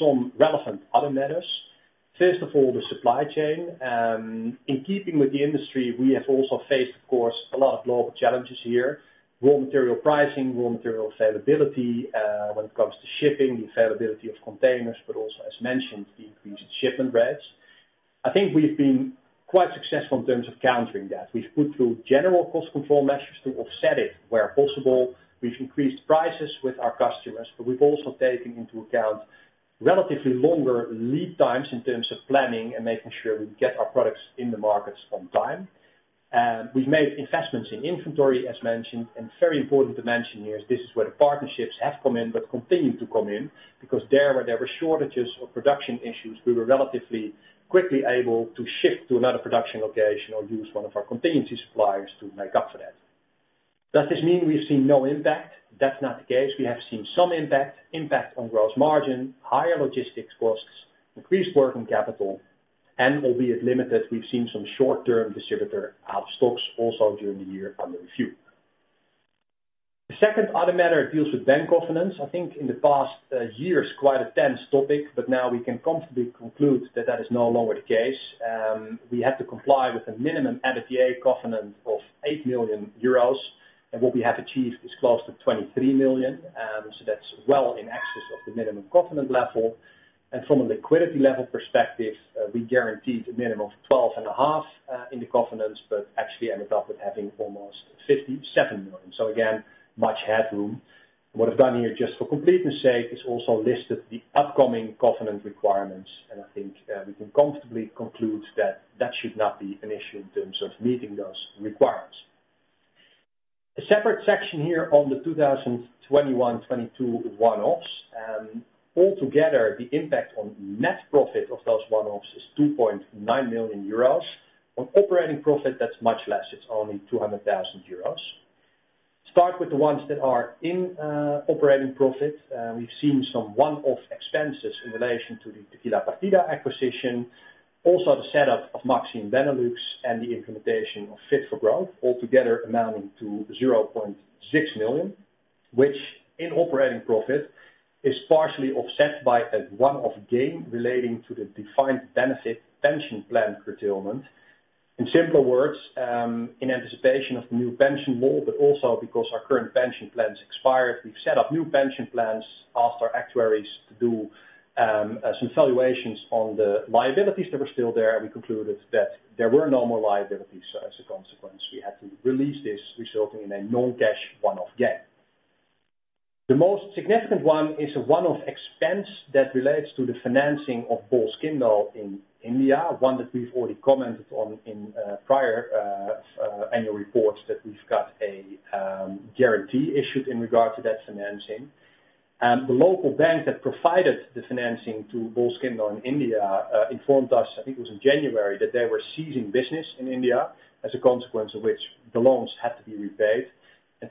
some relevant other matters. First of all, the supply chain. In keeping with the industry, we have also faced, of course, a lot of global challenges here. Raw material pricing, raw material availability, when it comes to shipping, the availability of containers, but also, as mentioned, the increase in shipment rates. I think we've been quite successful in terms of countering that. We've put through general cost control measures to offset it where possible. We've increased prices with our customers, but we've also taken into account relatively longer lead times in terms of planning and making sure we get our products in the markets on time. We've made investments in inventory, as mentioned, and very important to mention here, this is where the partnerships have come in, but continue to come in, because there, where there were shortages or production issues, we were relatively quickly able to shift to another production location or use one of our contingency suppliers to make up for that. Does this mean we've seen no impact? That's not the case. We have seen some impact. Impact on gross margin, higher logistics costs, increased working capital, and albeit limited, we've seen some short-term distributor out of stocks also during the year under review. The second other matter deals with bank covenants. I think in the past, years, quite a tense topic, but now we can comfortably conclude that that is no longer the case. We had to comply with a minimum EBITDA covenant of 8 million euros, and what we have achieved is close to 23 million. That's well in excess of the minimum covenant level. From a liquidity level perspective, we guaranteed a minimum of 12.5 in the covenants, but actually ended up with having almost 57 million. Again, much headroom. What I've done here, just for completeness sake, is also listed the upcoming covenant requirements. I think we can comfortably conclude that that should not be an issue in terms of meeting those requirements. A separate section here on the 2021-22 one-offs. Altogether, the impact on net profit of those one-offs is 2.9 million euros. On operating profit, that's much less. It's only 200,000 euros. Start with the ones that are in operating profit. We've seen some one-off expenses in relation to the Tequila Partida acquisition. Also the setup of Maxxium Benelux and the implementation of Fit for Growth altogether amounting to 0.6 million, which in operating profit is partially offset by a one-off gain relating to the defined benefit pension plan curtailment. In simpler words, in anticipation of the new pension law, but also because our current pension plans expired, we've set up new pension plans, asked our actuaries to do some valuations on the liabilities that were still there. We concluded that there were no more liabilities. As a consequence, we had to release this, resulting in a non-cash one-off gain. The most significant one is a one-off expense that relates to the financing of Bols Kyndal in India, one that we've already commented on in prior annual reports that we've got a guarantee issued in regard to that financing. The local bank that provided the financing to Bols Kyndal in India informed us, I think it was in January, that they were ceasing business in India as a consequence of which the loans had to be repaid.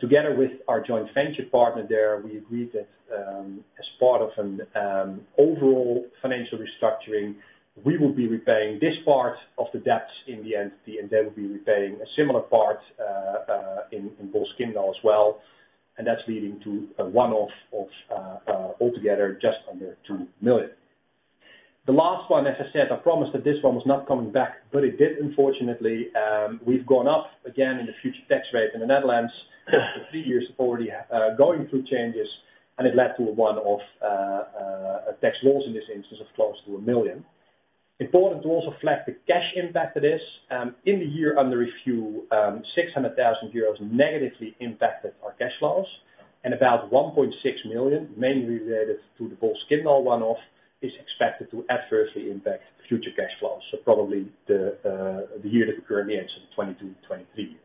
Together with our joint venture partner there, we agreed that, as part of an overall financial restructuring, we will be repaying this part of the debt in the entity, and they will be repaying a similar part in Bols Kyndal as well. That's leading to a one-off of altogether just under 2 million. The last one, as I said, I promised that this one was not coming back, but it did, unfortunately. We've gone up again in the future tax rate in the Netherlands for three years already, going through changes, and it led to a one-off tax loss in this instance of close to 1 million. Important to also reflect the cash impact that is, in the year under review, 600 thousand euros negatively impacted our cash flows and about 1.6 million, mainly related to the Bols Genever one-off, is expected to adversely impact future cash flows. Probably the year that we're currently in, so 2022-2023.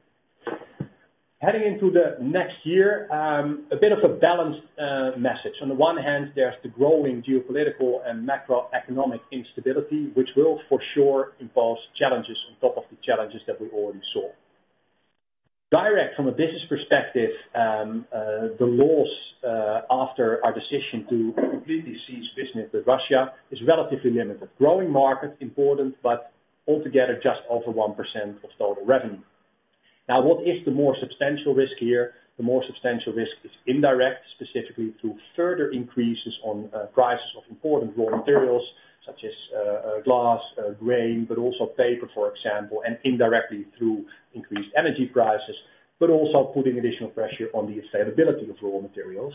Heading into the next year, a bit of a balanced message. On the one hand, there's the growing geopolitical and macroeconomic instability, which will for sure impose challenges on top of the challenges that we already saw. Direct from a business perspective, the loss after our decision to completely cease business with Russia is relatively limited. Growing market important, but altogether just over 1% of total revenue. Now, what is the more substantial risk here? The more substantial risk is indirect, specifically to further increases on, prices of important raw materials such as, glass, grain, but also paper, for example, and indirectly through increased energy prices, but also putting additional pressure on the availability of raw materials.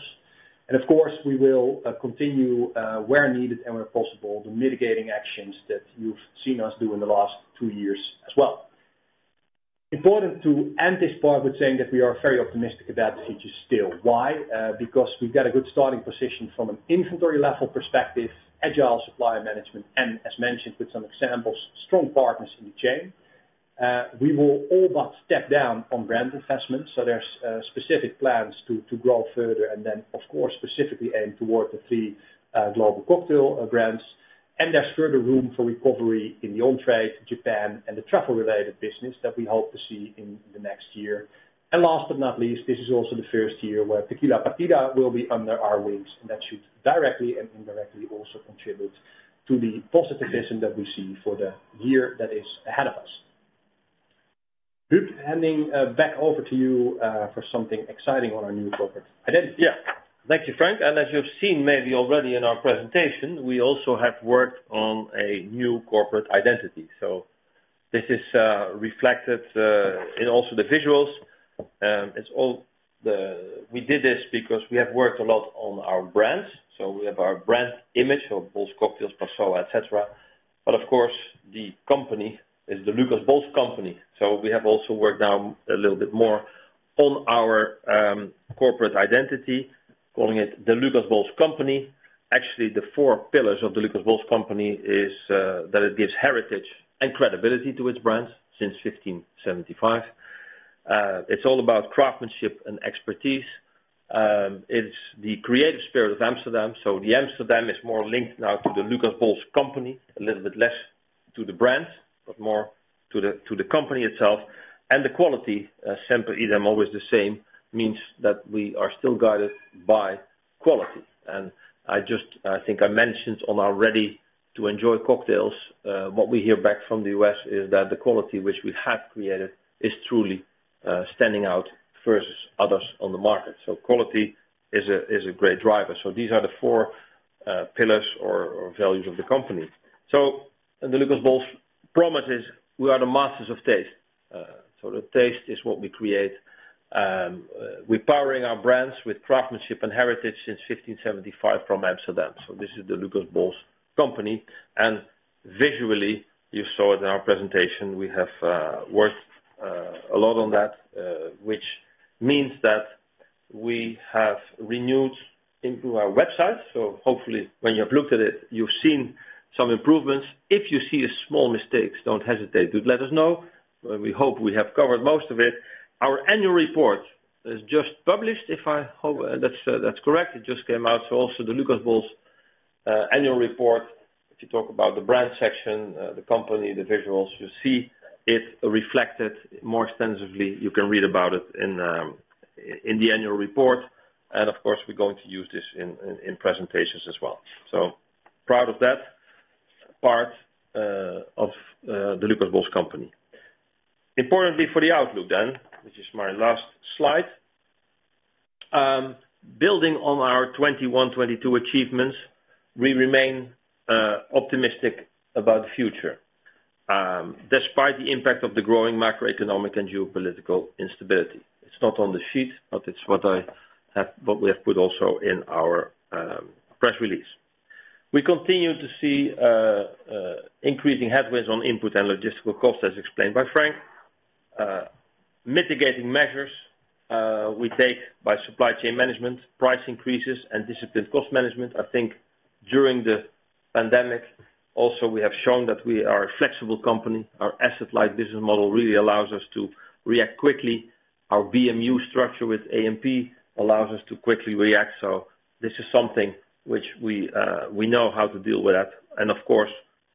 Of course, we will continue where needed and where possible, the mitigating actions that you've seen us do in the last two years as well. important to end this part with saying that we are very optimistic about the future still. Why? Because we've got a good starting position from an inventory level perspective, agile supply management, and as mentioned, with some examples, strong partners in the chain. We will all but step down on brand investments. There's specific plans to grow further and then of course, specifically aim toward the three global cocktail brands. There's further room for recovery in the on-trade, Japan and the travel-related business that we hope to see in the next year. Last but not least, this is also the first year where Tequila Partida will be under our wings, and that should directly and indirectly also contribute to the optimism that we see for the year that is ahead of us. Huub, handing back over to you for something exciting on our new corporate identity. Yeah. Thank you, Frank. As you've seen maybe already in our presentation, we also have worked on a new corporate identity. This is reflected in also the visuals. We did this because we have worked a lot on our brands. We have our brand image of both Bols Cocktails, Passoã, et cetera. Of course, the company is the Lucas Bols Company. We have also worked now a little bit more on our corporate identity, calling it the Lucas Bols Company. Actually, the four pillars of the Lucas Bols Company is that it gives heritage and credibility to its brands since 1575. It's all about craftsmanship and expertise. It's the creative spirit of Amsterdam. The Amsterdam is more linked now to the Lucas Bols Company, a little bit less to the brands, but more to the company itself. The quality, semper idem, always the same, means that we are still guided by quality. I think I mentioned on our ready to enjoy cocktails, what we hear back from the U.S. is that the quality which we have created is truly standing out versus others on the market. Quality is a great driver. These are the four pillars or values of the company. The Lucas Bols promise is we are the masters of taste. The taste is what we create. We're powering our brands with craftsmanship and heritage since 1575 from Amsterdam. This is the Lucas Bols Company. Visually, you saw it in our presentation, we have worked a lot on that, which means that we have renewed into our website. Hopefully when you've looked at it, you've seen some improvements. If you see a small mistakes, don't hesitate to let us know. We hope we have covered most of it. Our annual report is just published. I hope that's correct. It just came out. Also the Lucas Bols annual report, if you talk about the brand section, the company, the visuals, you see it reflected more extensively. You can read about it in the annual report. Of course, we're going to use this in presentations as well. Proud of that part of the Lucas Bols Company. Importantly, for the outlook then, this is my last slide. Building on our 2021, 2022 achievements, we remain optimistic about the future, despite the impact of the growing macroeconomic and geopolitical instability. It's not on the sheet, but what we have put also in our press release. We continue to see increasing headwinds on input and logistical costs, as explained by Frank. Mitigating measures we take by supply chain management, price increases, and disciplined cost management. I think during the pandemic, also, we have shown that we are a flexible company. Our asset-light business model really allows us to react quickly. Our BMU structure with A&P allows us to quickly react. This is something which we know how to deal with that. Of course,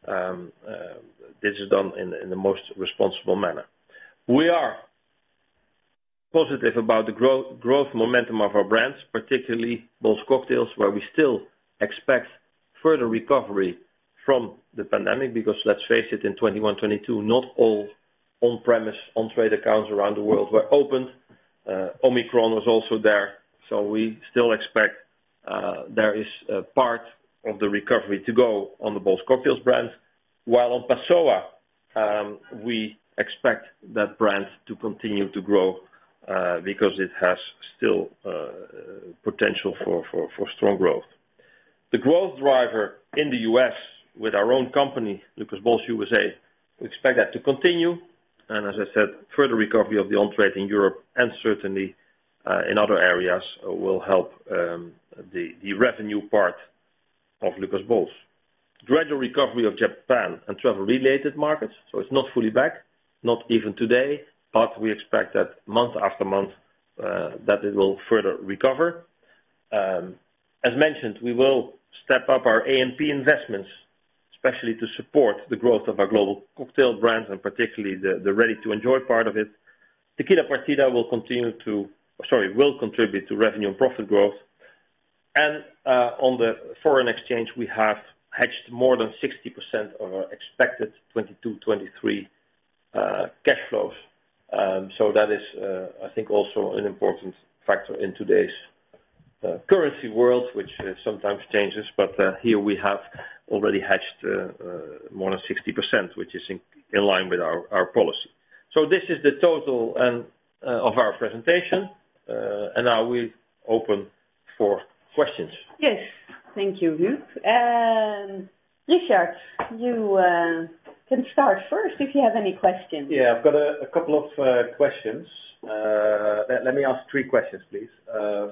this is done in the most responsible manner. We are positive about the growth momentum of our brands, particularly Bols Cocktails, where we still expect further recovery from the pandemic, because let's face it, in 2021, 2022, not all on-premise on-trade accounts around the world were opened. Omicron was also there, so we still expect there is a part of the recovery to go on the Bols Cocktails brand. While on Passoã, we expect that brand to continue to grow because it has still potential for strong growth. The growth driver in the U.S. with our own company, Lucas Bols USA, we expect that to continue. As I said, further recovery of the on-trade in Europe and certainly in other areas will help the revenue part of Lucas Bols. Gradual recovery of Japan and travel-related markets. It's not fully back, not even today, but we expect that month-after-month, that it will further recover. As mentioned, we will step up our A&P investments, especially to support the growth of our global cocktail brands and particularly the ready to enjoy part of it. Tequila Partida will contribute to revenue and profit growth. On the foreign exchange, we have hedged more than 60% of our expected 2022-2023 cash flows. That is, I think, also an important factor in today's currency world, which sometimes changes, but here we have already hedged more than 60%, which is in line with our policy. This is the total of our presentation, and now we open for questions. Yes. Thank you, Huub. Richard, you can start first if you have any questions. Yeah. I've got a couple of questions. Let me ask three questions, please.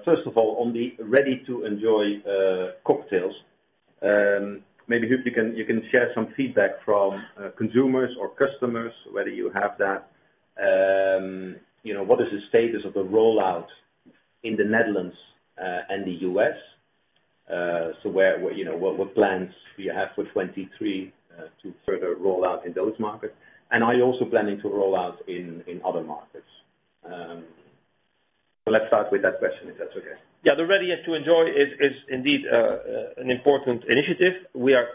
First of all, on the ready to enjoy cocktails, maybe Huub, you can share some feedback from consumers or customers, whether you have that. You know, what is the status of the rollout in the Netherlands and the U.S.? You know, what plans do you have for 2023 to further roll out in those markets? And are you also planning to roll out in other markets? Let's start with that question, if that's okay. Yeah. The Ready to Enjoy is indeed an important initiative. We have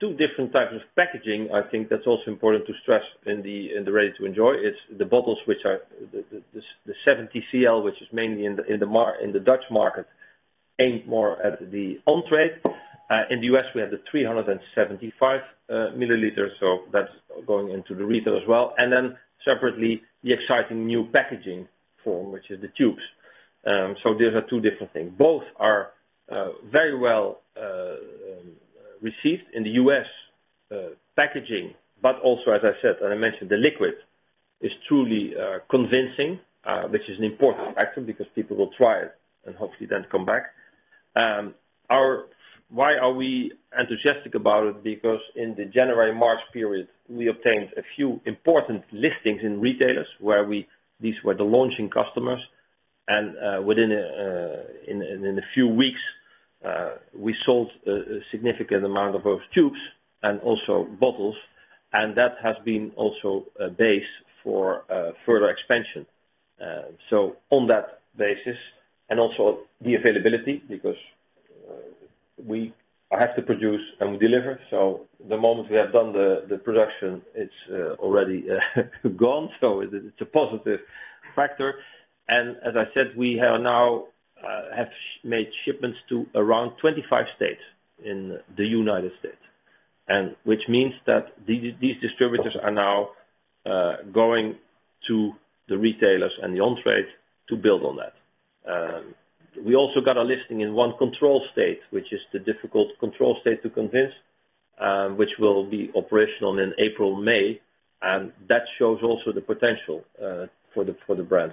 two different types of packaging. I think that's also important to stress in the Ready to Enjoy. It's the bottles which are the 70 cl, which is mainly in the Dutch market, aimed more at the on-trade. In the U.S., we have the 375 ml, so that's going into the retail as well. Then separately, the exciting new packaging form, which is the tubes. These are two different things. Both are very well received in the U.S. packaging, but also, as I said, and I mentioned, the liquid is truly convincing, which is an important factor because people will try it and hopefully then come back. Why are we enthusiastic about it? Because in the January-March period, we obtained a few important listings in retailers. These were the launching customers. Within a few weeks, we sold a significant amount of both tubes and also bottles, and that has been also a base for further expansion. On that basis, and also the availability, because we have to produce and we deliver. The moment we have done the production, it's already gone. It's a positive factor. As I said, we have now made shipments to around 25 states in the United States, and which means that these distributors are now going to the retailers and the on-trade to build on that. We also got a listing in one control state, which is the difficult control state to convince, which will be operational in April, May, and that shows also the potential for the brand.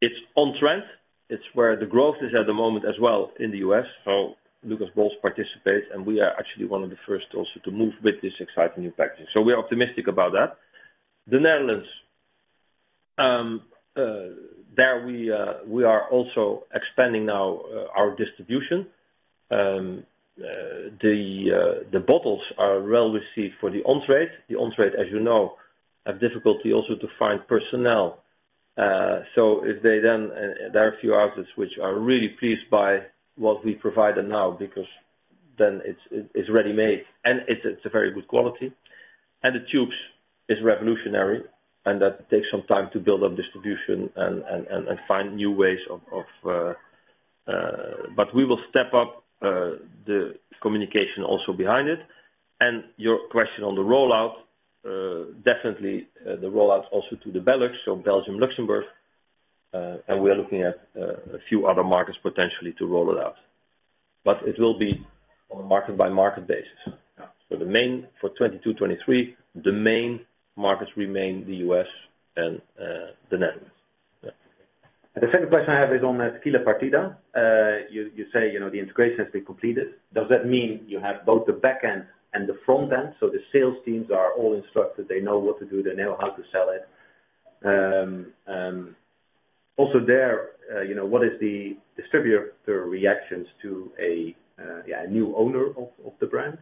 It's on trend. It's where the growth is at the moment as well in the U.S. Lucas Bols participates, and we are actually one of the first also to move with this exciting new packaging. We are optimistic about that. The Netherlands, we are also expanding now our distribution. The bottles are well received for the on-trade. The on-trade, as you know, have difficulty also to find personnel. So if they then. There are a few outlets which are really pleased by what we provide them now because then it's ready-made, and it's a very good quality. The tubes is revolutionary, and that takes some time to build up distribution and find new ways. We will step up the communication also behind it. Your question on the rollout, definitely, the rollout also to the BeLux, so Belgium, Luxembourg, and we are looking at a few other markets potentially to roll it out. It will be on a market-by-market basis. Yeah. For 2022, 2023, the main markets remain the U.S. and the Netherlands. The second question I have is on Tequila Partida. You say, you know, the integration has been completed. Does that mean you have both the back end and the front end? The sales teams are all instructed, they know what to do, they know how to sell it. Also there, you know, what is the distributor reactions to a, yeah, a new owner of the brand?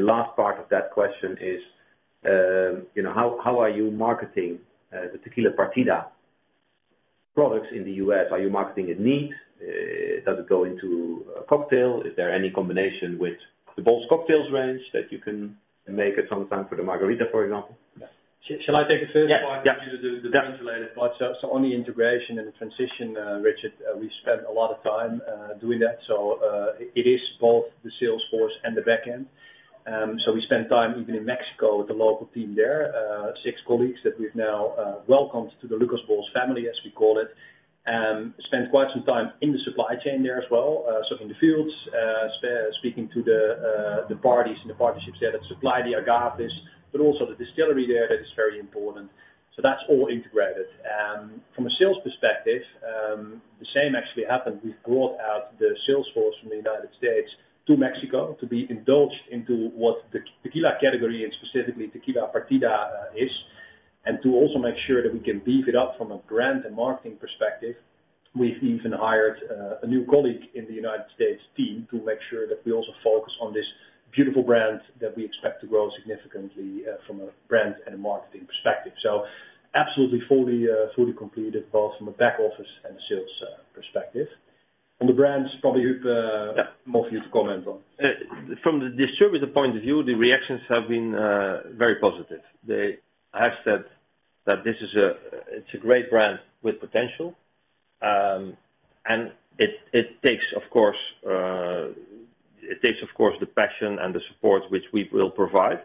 Last part of that question is, you know, how are you marketing the Tequila Partida products in the U.S.? Are you marketing it neat? Does it go into a cocktail? Is there any combination with the Bols Cocktails range that you can make at some time for the margarita, for example? Shall I take the first part? Yeah. I want you to do the regulated part. On the integration and the transition, Richard, we spent a lot of time doing that. It is both the Salesforce and the back end. We spent time even in Mexico with the local team there, six colleagues that we've now welcomed to the Lucas Bols family, as we call it, and spent quite some time in the supply chain there as well, so in the fields, speaking to the parties and the partnerships there that supply the agaves, but also the distillery there, that is very important. That's all integrated. From a sales perspective, the same actually happened. We've brought out the sales force from the United States to Mexico to be introduced to what the Tequila category and specifically Tequila Partida is, and to also make sure that we can beef it up from a brand and marketing perspective. We've even hired a new colleague in the United States team to make sure that we also focus on this beautiful brand that we expect to grow significantly from a brand and a marketing perspective. Absolutely fully completed, both from a back office and sales perspective. On the brands, probably Huub more for you to comment on. From the distributor point of view, the reactions have been very positive. They have said that this is a great brand with potential. It takes, of course, the passion and the support which we will provide.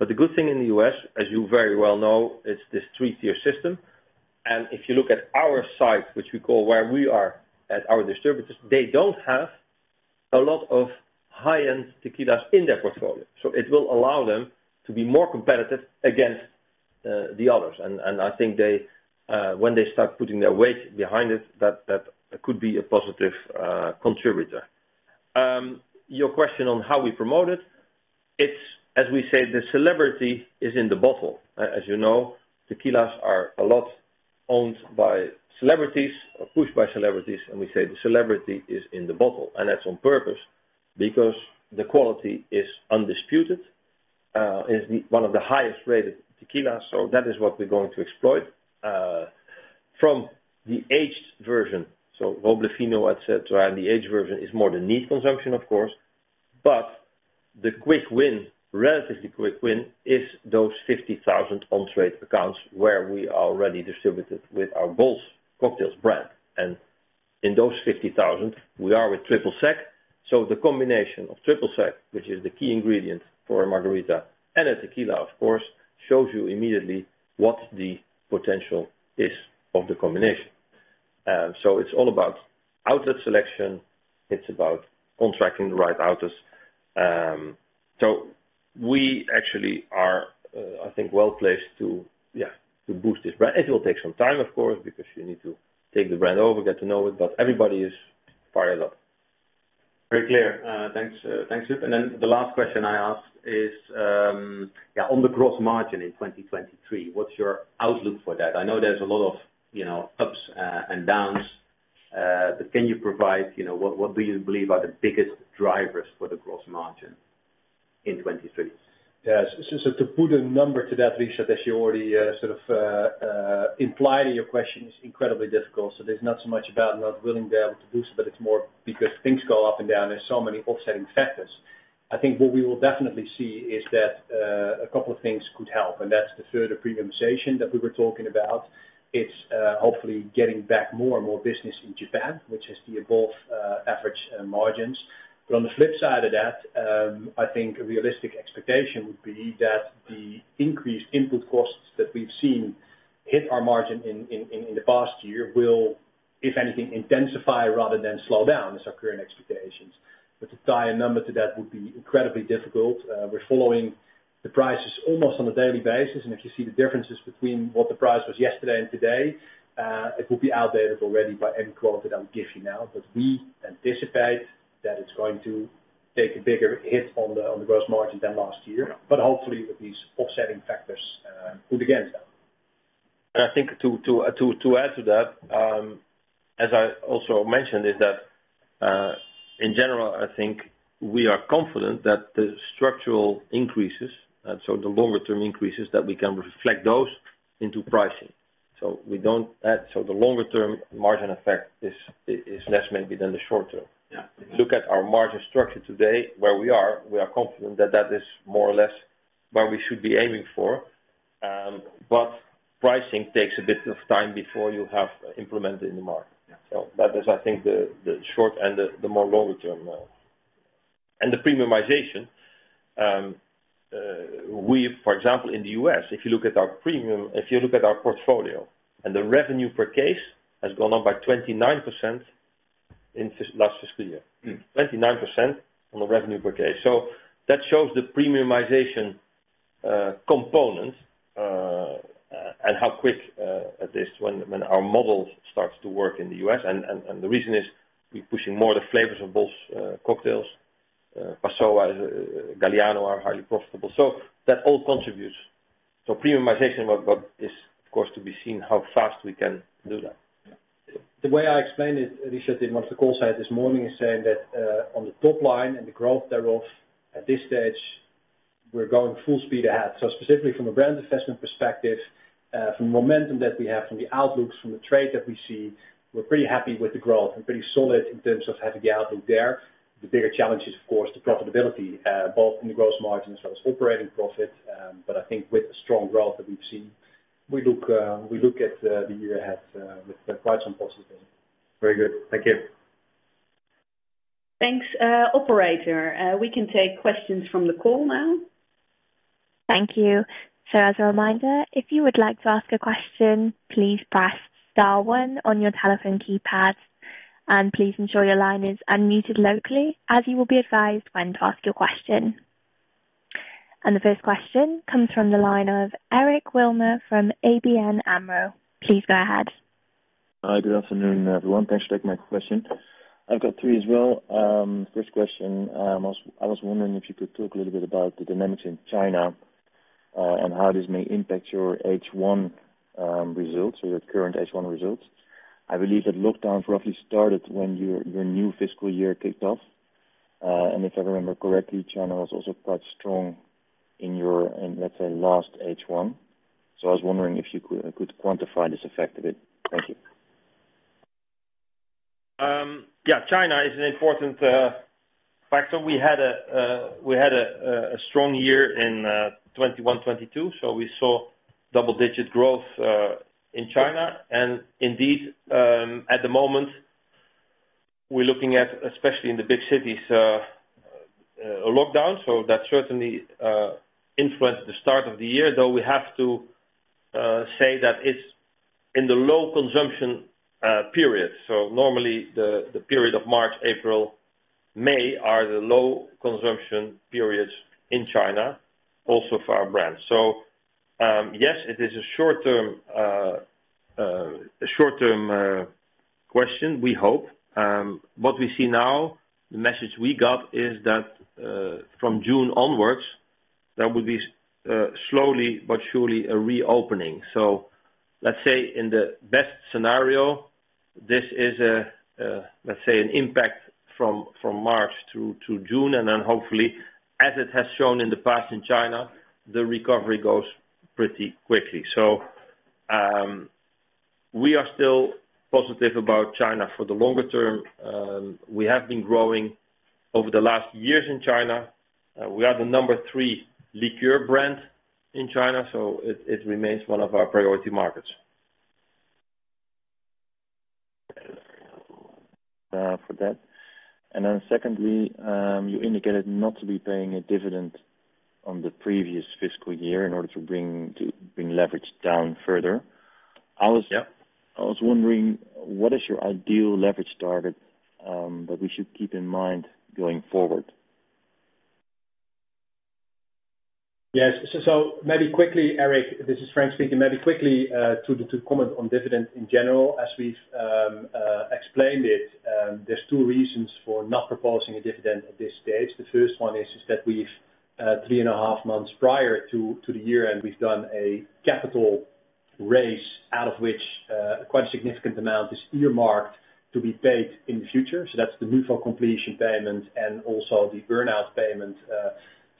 The good thing in the U.S., as you very well know, is this three-tier system. If you look at our site, which we call where we are at our distributors, they don't have a lot of high-end tequilas in their portfolio. It will allow them to be more competitive against the others. I think they, when they start putting their weight behind it, that could be a positive contributor. Your question on how we promote it's, as we say, the celebrity is in the bottle. As you know, tequilas are a lot owned by celebrities or pushed by celebrities, and we say the celebrity is in the bottle, and that's on purpose, because the quality is undisputed, is one of the highest rated tequilas. That is what we're going to exploit from the aged version. Roble Fino, et cetera, and the aged version is more the niche consumption, of course. The quick win, relatively quick win, is those 50,000 on-trade accounts where we are already distributed with our Bols Cocktails brand. In those 50,000, we are with Triple Sec. The combination of Triple Sec, which is the key ingredient for a margarita and a tequila, of course, shows you immediately what the potential is of the combination. It's all about outlet selection. It's about contracting the right outlets. We actually are, I think, well-placed to boost this brand. It will take some time, of course, because you need to take the brand over, get to know it, but everybody is fired up. Very clear. Thanks, Huub. The last question I ask is, yeah, on the gross margin in 2023, what's your outlook for that? I know there's a lot of, you know, ups and downs, but can you provide, you know, what do you believe are the biggest drivers for the gross margin in 2023? Yeah. To put a number to that, Richard, as you already sort of implied in your question, is incredibly difficult. There's not so much about not willing to be able to do so, but it's more because things go up and down. There are so many offsetting factors. I think what we will definitely see is that a couple of things could help, and that's the further premiumization that we were talking about. It's hopefully getting back more and more business in Japan, which is the above average margins. But on the flip side of that, I think a realistic expectation would be that the increased input costs that we've seen hit our margin in the past year will, if anything, intensify rather than slow down as our current expectations. To tie a number to that would be incredibly difficult. We're following the prices almost on a daily basis, and if you see the differences between what the price was yesterday and today, it will be outdated already by any quote that I would give you now. We anticipate that it's going to take a bigger hit on the gross margin than last year. Hopefully, with these offsetting factors, put against that. I think to add to that, as I also mentioned, is that, in general, I think we are confident that the structural increases, so the longer term increases, that we can reflect those into pricing. The longer term margin effect is less maybe than the short term. Yeah. Look at our margin structure today, where we are. We are confident that is more or less what we should be aiming for. Pricing takes a bit of time before you have implemented in the market. Yeah. That is, I think, the short and the longer term. The premiumization. For example, in the U.S., if you look at our premium, if you look at our portfolio and the revenue per case has gone up by 29% in last fiscal year. 29% on the revenue per case. That shows the premiumization component and how quick it is when our model starts to work in the U.S. The reason is we're pushing more the flavors of Bols cocktails, Passoã, Galliano are highly profitable, so that all contributes. Premiumization but is of course to be seen how fast we can do that. Yeah. The way I explained it, Richard, in one of the calls I had this morning is saying that on the top line and the growth thereof, at this stage, we're going full speed ahead. Specifically from a brand investment perspective, from the momentum that we have, from the outlooks, from the trade that we see, we're pretty happy with the growth. We're pretty solid in terms of having the outlook there. The bigger challenge is, of course, the profitability, both in the gross margin as well as operating profit. I think with the strong growth that we've seen, we look at the year ahead with quite some positivity. Very good. Thank you. Thanks. Operator, we can take questions from the call now. Thank you. As a reminder, if you would like to ask a question, please press star one on your telephone keypad and please ensure your line is unmuted locally as you will be advised when to ask your question. The first question comes from the line of Eric Wilmer from ABN AMRO. Please go ahead. Hi. Good afternoon, everyone. Thanks for taking my question. I've got three as well. First question, I was wondering if you could talk a little bit about the dynamics in China, and how this may impact your H1 results or your current H1 results. I believe that lockdowns roughly started when your new fiscal year kicked off. If I remember correctly, China was also quite strong in your, let's say, last H1. I was wondering if you could quantify this effect a bit. Thank you. Yeah, China is an important factor. We had a strong year in 2021-2022, so we saw double-digit growth in China. Indeed, at the moment we're looking at, especially in the big cities, a lockdown. That certainly influenced the start of the year, though we have to say that it's in the low consumption period. Normally the period of March, April, May are the low consumption periods in China also for our brand. Yes, it is a short-term question, we hope. What we see now, the message we got is that from June onwards, there will be slowly but surely a reopening. Let's say in the best scenario, this is an impact from March through to June. Hopefully, as it has shown in the past in China, the recovery goes pretty quickly. We are still positive about China for the longer term. We have been growing over the last years in China. We are the number three liquor brand in China, so it remains one of our priority markets. Secondly, you indicated not to be paying a dividend on the previous fiscal year in order to bring leverage down further. Yeah. I was wondering, what is your ideal leverage target that we should keep in mind going forward? Yes. Maybe quickly, Eric, this is Frank speaking. Maybe quickly, to comment on dividend in general. As we've explained it, there's two reasons for not proposing a dividend at this stage. The first one is that we've three and a half months prior to the year end, we've done a capital raise out of which quite a significant amount is earmarked to be paid in the future. That's the move for completion payment and also the earn-out payment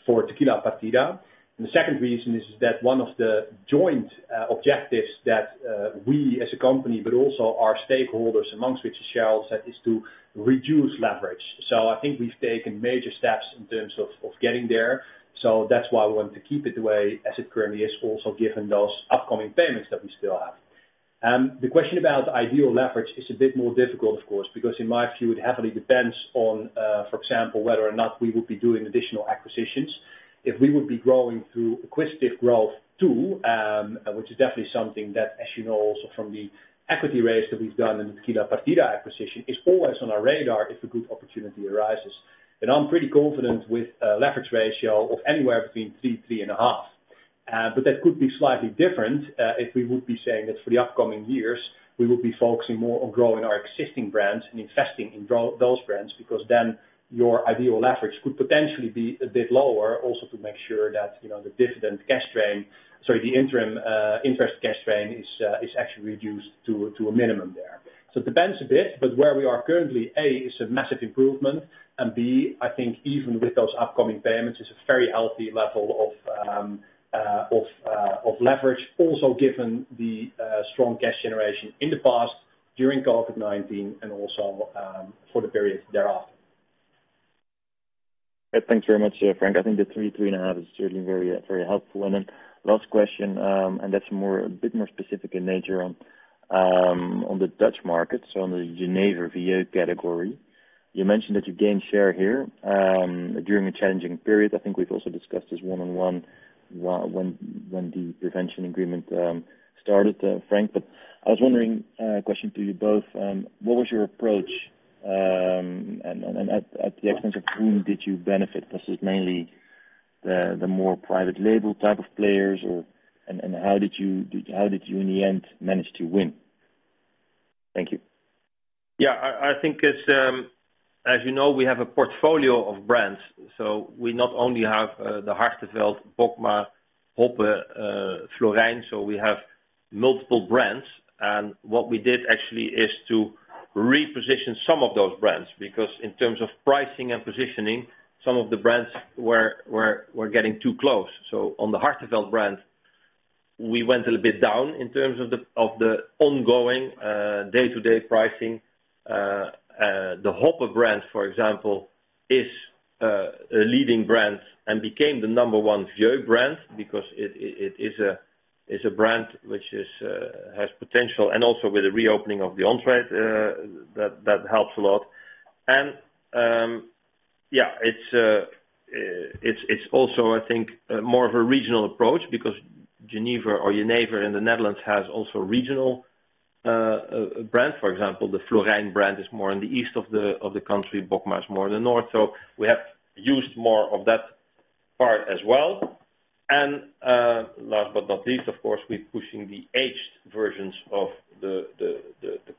for Tequila Partida. The second reason is that one of the joint objectives that we as a company but also our stakeholders, amongst which is Shell, that is to reduce leverage. I think we've taken major steps in terms of getting there. That's why we want to keep it the way as it currently is. Also, given those upcoming payments that we still have. The question about ideal leverage is a bit more difficult, of course, because in my view, it heavily depends on, for example, whether or not we would be doing additional acquisitions. If we would be growing through acquisitive growth too, which is definitely something that, as you know, also from the equity raise that we've done in Tequila Partida acquisition, is always on our radar if a good opportunity arises. I'm pretty confident with a leverage ratio of anywhere between 3x-3.5x. That could be slightly different, if we would be saying that for the upcoming years we will be focusing more on growing our existing brands and investing in those brands, because then your ideal leverage could potentially be a bit lower. To make sure that, you know, the dividend cash stream, sorry, the interim interest cash stream is actually reduced to a minimum there. It depends a bit, but where we are currently, A, is a massive improvement, and B, I think even with those upcoming payments, it's a very healthy level of leverage. Given the strong cash generation in the past during COVID-19 and also for the periods thereafter. Thanks very much, Frank. I think the 3.5 is certainly very, very helpful. Last question, and that's more, a bit more specific in nature on the Dutch market. On the Genever category. You mentioned that you gained share here during a challenging period. I think we've also discussed this one-on-one when the National Prevention Agreement started, Frank. I was wondering, question to you both, what was your approach? And at the expense of whom did you benefit? Was it mainly the more private label type of players or. How did you in the end manage to win? Thank you. Yeah. I think, as you know, we have a portfolio of brands. We not only have the Hartevelt, Bokma, Hoppe, Florijn, so we have multiple brands. What we did actually is to Reposition some of those brands because in terms of pricing and positioning, some of the brands were getting too close. On the Hartevelt brand, we went a little bit down in terms of the ongoing day-to-day pricing. The Hoppe brand, for example, is a leading brand and became the number one vieux brand because it is a brand which has potential. Also with the reopening of the on-trade, that helps a lot. It is also, I think, more of a regional approach because genever in the Netherlands has also regional brands. For example, the Florijn brand is more in the east of the country, Bokma more in the north. We have used more of that part as well. last but not least, of course, we're pushing the aged versions of the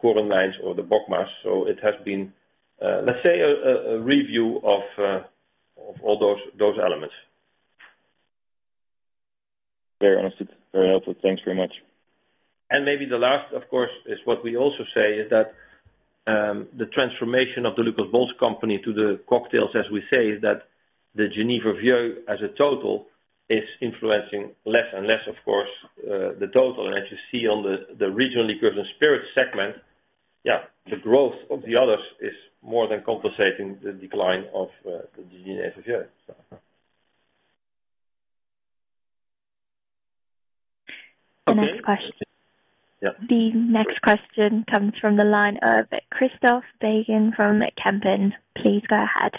Korenwijn lines or the Bokma. It has been, let's say, a review of all those elements. Very honest. Very helpful. Thanks very much. Maybe the last, of course, is what we also say is that the transformation of the Lucas Bols Company to the cocktails, as we say, is that the genever as a total is influencing less and less, of course, the total. As you see on the regional liquor and spirit segment, yeah, the growth of the others is more than compensating the decline of the genever. The next question. Yeah. The next question comes from the line of Christophe Bégin from Kempen. Please go ahead.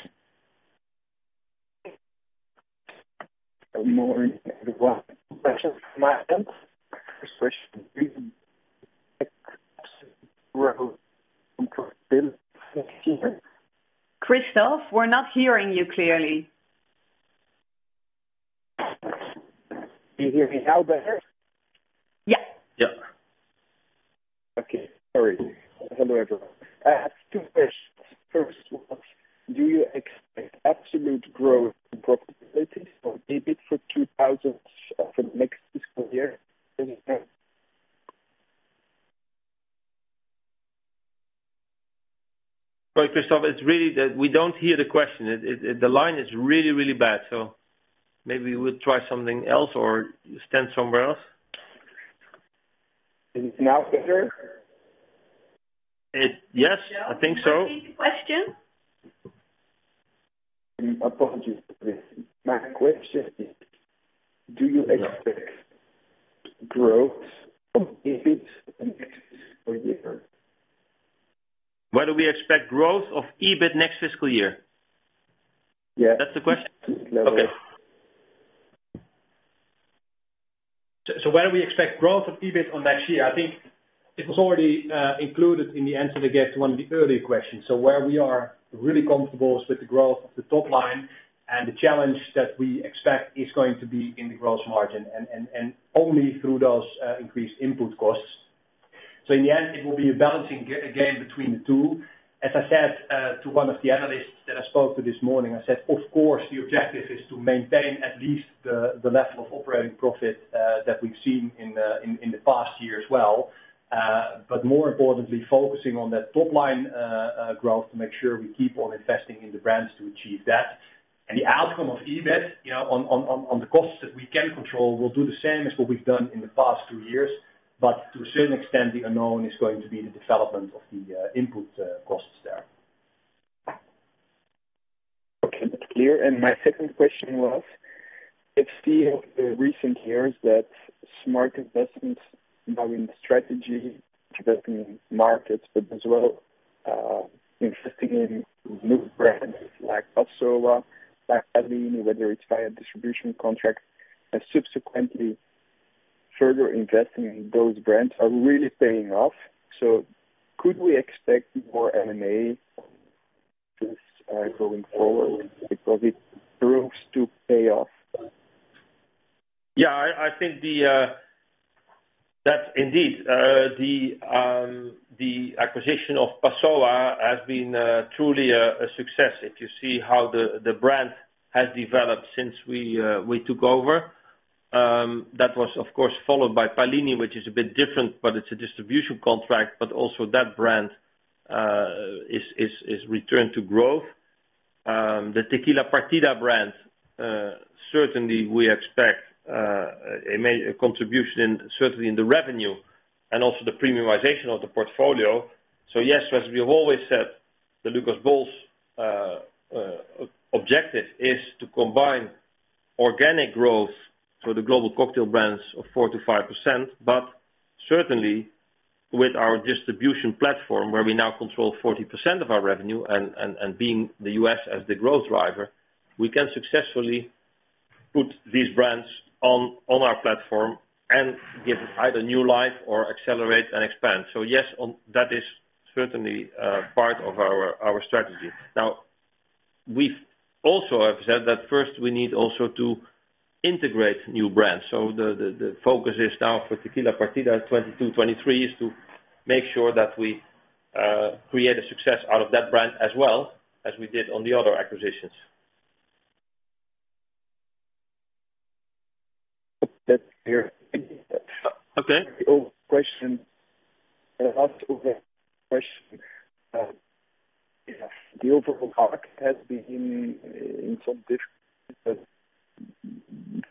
Good morning, everyone. Question from Adam. First question, do you expect absolute growth and profitability? Christophe, we're not hearing you clearly. Do you hear me now better? Yeah. Yeah. Okay. Sorry. Hello, everyone. I have two questions. First one, do you expect absolute growth and profitability for EBIT for next fiscal year? Sorry, Christophe, it's really that we don't hear the question. The line is really, really bad. Maybe we'll try something else or stand somewhere else. Is it now better? Yes, I think so. Can you repeat the question? Apologies for this. My question is, do you expect growth of EBIT next fiscal year? Whether we expect growth of EBIT next fiscal year? Yeah. That's the question? Yeah. Okay. Whether we expect growth of EBIT in next year, I think it was already included in the answer that I gave to one of the earlier questions. Where we are really comfortable is with the growth of the top line, and the challenge that we expect is going to be in the gross margin and only through those increased input costs. In the end, it will be a balancing game between the two. As I said to one of the analysts that I spoke to this morning, I said, "Of course, the objective is to maintain at least the level of operating profit that we've seen in the past year as well. But more importantly, focusing on that top line growth to make sure we keep on investing in the brands to achieve that. The outcome of EBIT, you know, on the costs that we can control, we'll do the same as what we've done in the past two years. To a certain extent, the unknown is going to be the development of the input costs there. Okay. That's clear. My second question was, it's still the recent years that smart investments, not only in strategy, developing markets, but as well, investing in new brands like Passoã, like Pallini, whether it's via distribution contracts and subsequently further investing in those brands are really paying off. Could we expect more M&A deals, going forward because it proves to pay off? I think that indeed the acquisition of Passoã has been truly a success. If you see how the brand has developed since we took over. That was of course followed by Pallini, which is a bit different, but it's a distribution contract, but also that brand is returned to growth. The Tequila Partida brand certainly we expect a contribution certainly in the revenue and also the premiumization of the portfolio. Yes, as we have always said, the Lucas Bols objective is to combine organic growth for the global cocktail brands of 4%-5%, but certainly with our distribution platform, where we now control 40% of our revenue and being the U.S. as the growth driver, we can successfully put these brands on our platform and give either new life or accelerate and expand. That is certainly part of our strategy. Now, we've also said that first we need also to integrate new brands. The focus is now for Tequila Partida 2022, 2023 is to make sure that we create a success out of that brand as well as we did on the other acquisitions. That's clear. Okay. Question. I'd asked a question. The overall market has been in some different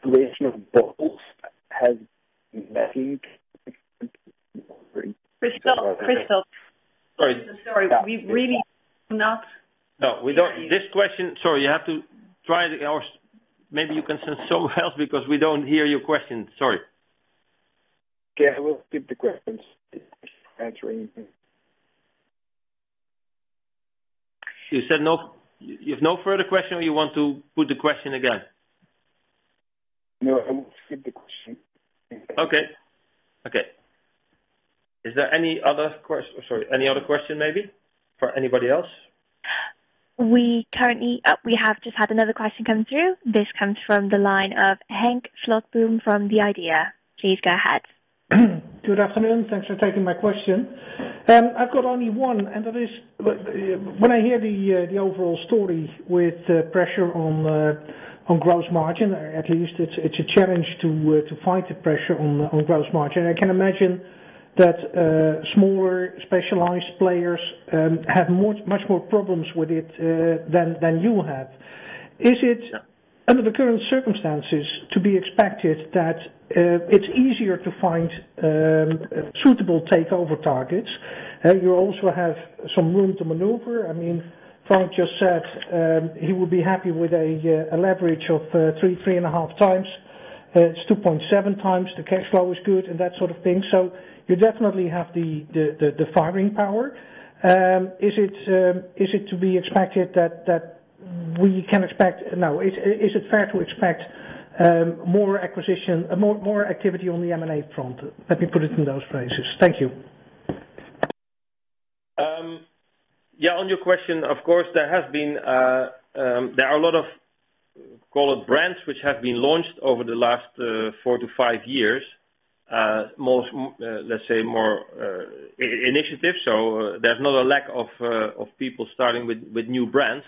regulation of bottles has nothing. Christophe. Sorry. Sorry. Sorry. You have to try or maybe you can send someone else because we don't hear your question. Sorry. Yeah, we'll skip the questions. Answer anything. You said no, you have no further question, or you want to put the question again? No, I will skip the question. Okay. Is there any other question maybe for anybody else? We have just had another question come through. This comes from the line of Henk Slotboom from The IDEA!. Please go ahead. Good afternoon. Thanks for taking my question. I've got only one, and that is, when I hear the overall story with the pressure on gross margin, at least it's a challenge to fight the pressure on gross margin. I can imagine that smaller specialized players have much more problems with it than you have. Is it, under the current circumstances, to be expected that it's easier to find suitable takeover targets? You also have some room to maneuver. I mean, Frank just said he would be happy with a leverage of 3-3.5 times. It's 2.7 times. The cash flow is good and that sort of thing. You definitely have the firing power. Is it fair to expect more acquisition, more activity on the M&A front? Let me put it in those phrases. Thank you. Yeah. On your question, of course, there has been. There are a lot of, call it brands, which have been launched over the last 4-5 years, most let's say more initiatives. There's not a lack of people starting with new brands,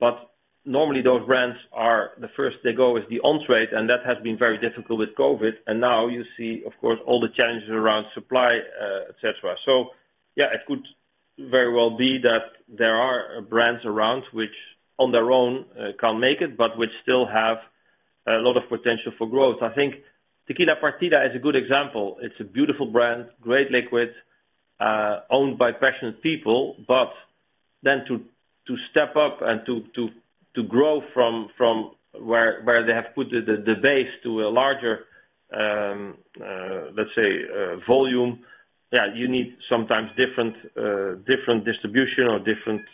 but normally those brands are. The first they go is the on-trade, and that has been very difficult with COVID. Now you see, of course, all the challenges around supply, et cetera. Yeah, it could very well be that there are brands around which on their own can't make it, but which still have a lot of potential for growth. I think Tequila Partida is a good example. It's a beautiful brand, great liquid, owned by passionate people, but then to step up and to grow from where they have put the base to a larger, let's say, volume. You need sometimes different distribution or different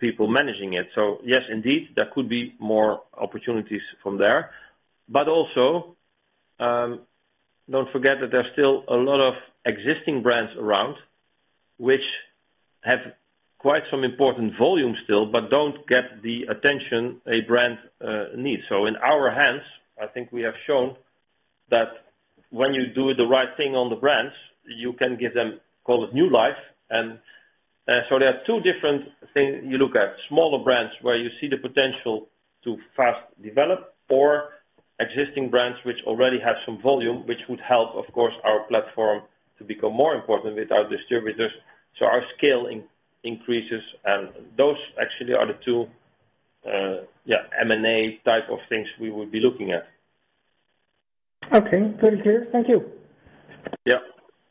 people managing it. Yes, indeed, there could be more opportunities from there. Also, don't forget that there are still a lot of existing brands around which have quite some important volume still, but don't get the attention a brand needs. In our hands, I think we have shown that when you do the right thing on the brands, you can give them, call it, new life. there are two different things you look at: smaller brands where you see the potential to fast develop or existing brands which already have some volume, which would help, of course, our platform to become more important with our distributors. our scale increases, and those actually are the two, M&A type of things we would be looking at. Okay. Very clear. Thank you. Yeah.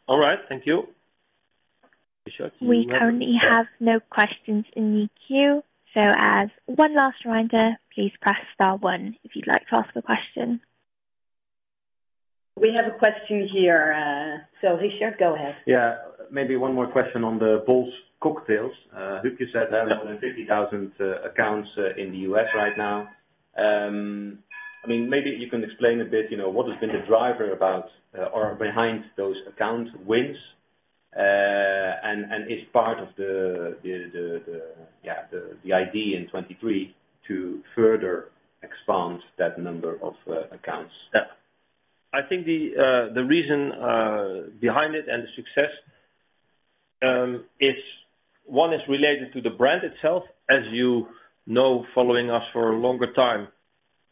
All right. Thank you. Richard, you. We currently have no questions in the queue. As one last reminder, please press star one if you'd like to ask a question. We have a question here. Richard, go ahead. Yeah. Maybe one more question on the Bols Cocktails. Huub, you said there are more than 50,000 accounts in the U.S. right now. I mean, maybe you can explain a bit, you know, what has been the driver about or behind those account wins, and is part of the idea in 2023 to further expand that number of accounts. Yeah. I think the reason behind it and the success is. One is related to the brand itself. As you know, following us for a longer time,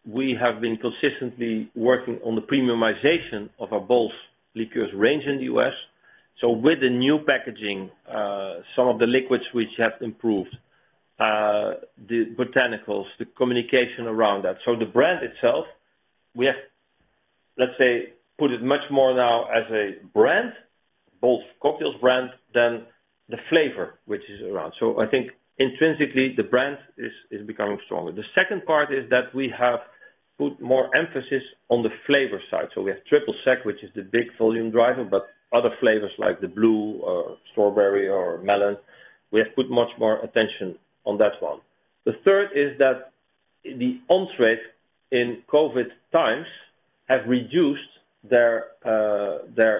we have been consistently working on the premiumization of our Bols liqueurs range in the U.S. With the new packaging, some of the liqueurs which have improved the botanicals, the communication around that. The brand itself, we have, let's say, put it much more now as a brand, Bols Cocktails brand, than the flavor which is around. I think intrinsically the brand is becoming stronger. The second part is that we have put more emphasis on the flavor side. We have Triple Sec, which is the big volume driver, but other flavors like the blue or strawberry or melon, we have put much more attention on that one. The third is that the on-trade in COVID times have reduced their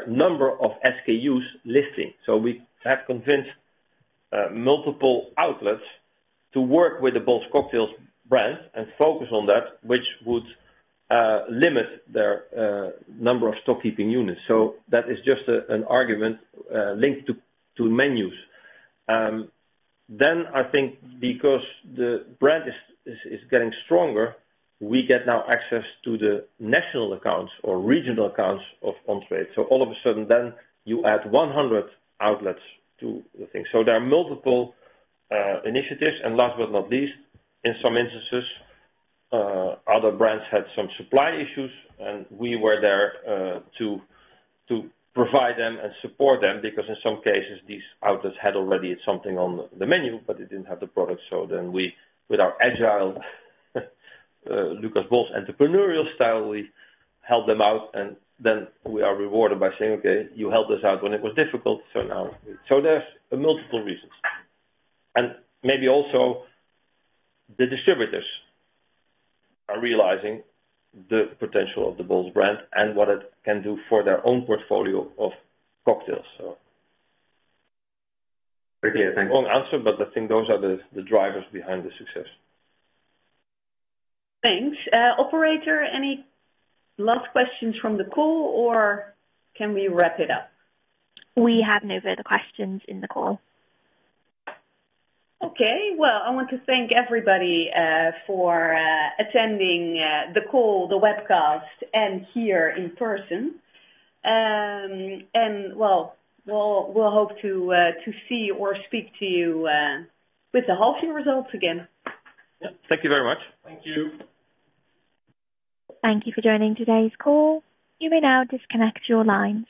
number of SKU listings. We have convinced multiple outlets to work with the Bols Cocktails brand and focus on that, which would limit their number of stock keeping units. That is just an argument linked to menus. I think because the brand is getting stronger, we get now access to the national accounts or regional accounts of on-trade. All of a sudden you add 100 outlets to the thing. There are multiple initiatives. Last but not least, in some instances other brands had some supply issues, and we were there to provide them and support them because in some cases these outlets had already something on the menu, but they didn't have the product. We, with our agile Lucas Bols entrepreneurial style, we helped them out, and then we are rewarded by saying, "Okay, you helped us out when it was difficult, so now." There's multiple reasons. Maybe also the distributors are realizing the potential of the Bols brand and what it can do for their own portfolio of cocktails, so. Very clear. Thank you. Long answer, but I think those are the drivers behind the success. Thanks. Operator, any last questions from the call, or can we wrap it up? We have no further questions in the call. Okay. Well, I want to thank everybody for attending the call, the webcast, and here in person. Well, we'll hope to see or speak to you with the half year results again. Yeah. Thank you very much. Thank you. Thank you for joining today's call. You may now disconnect your lines.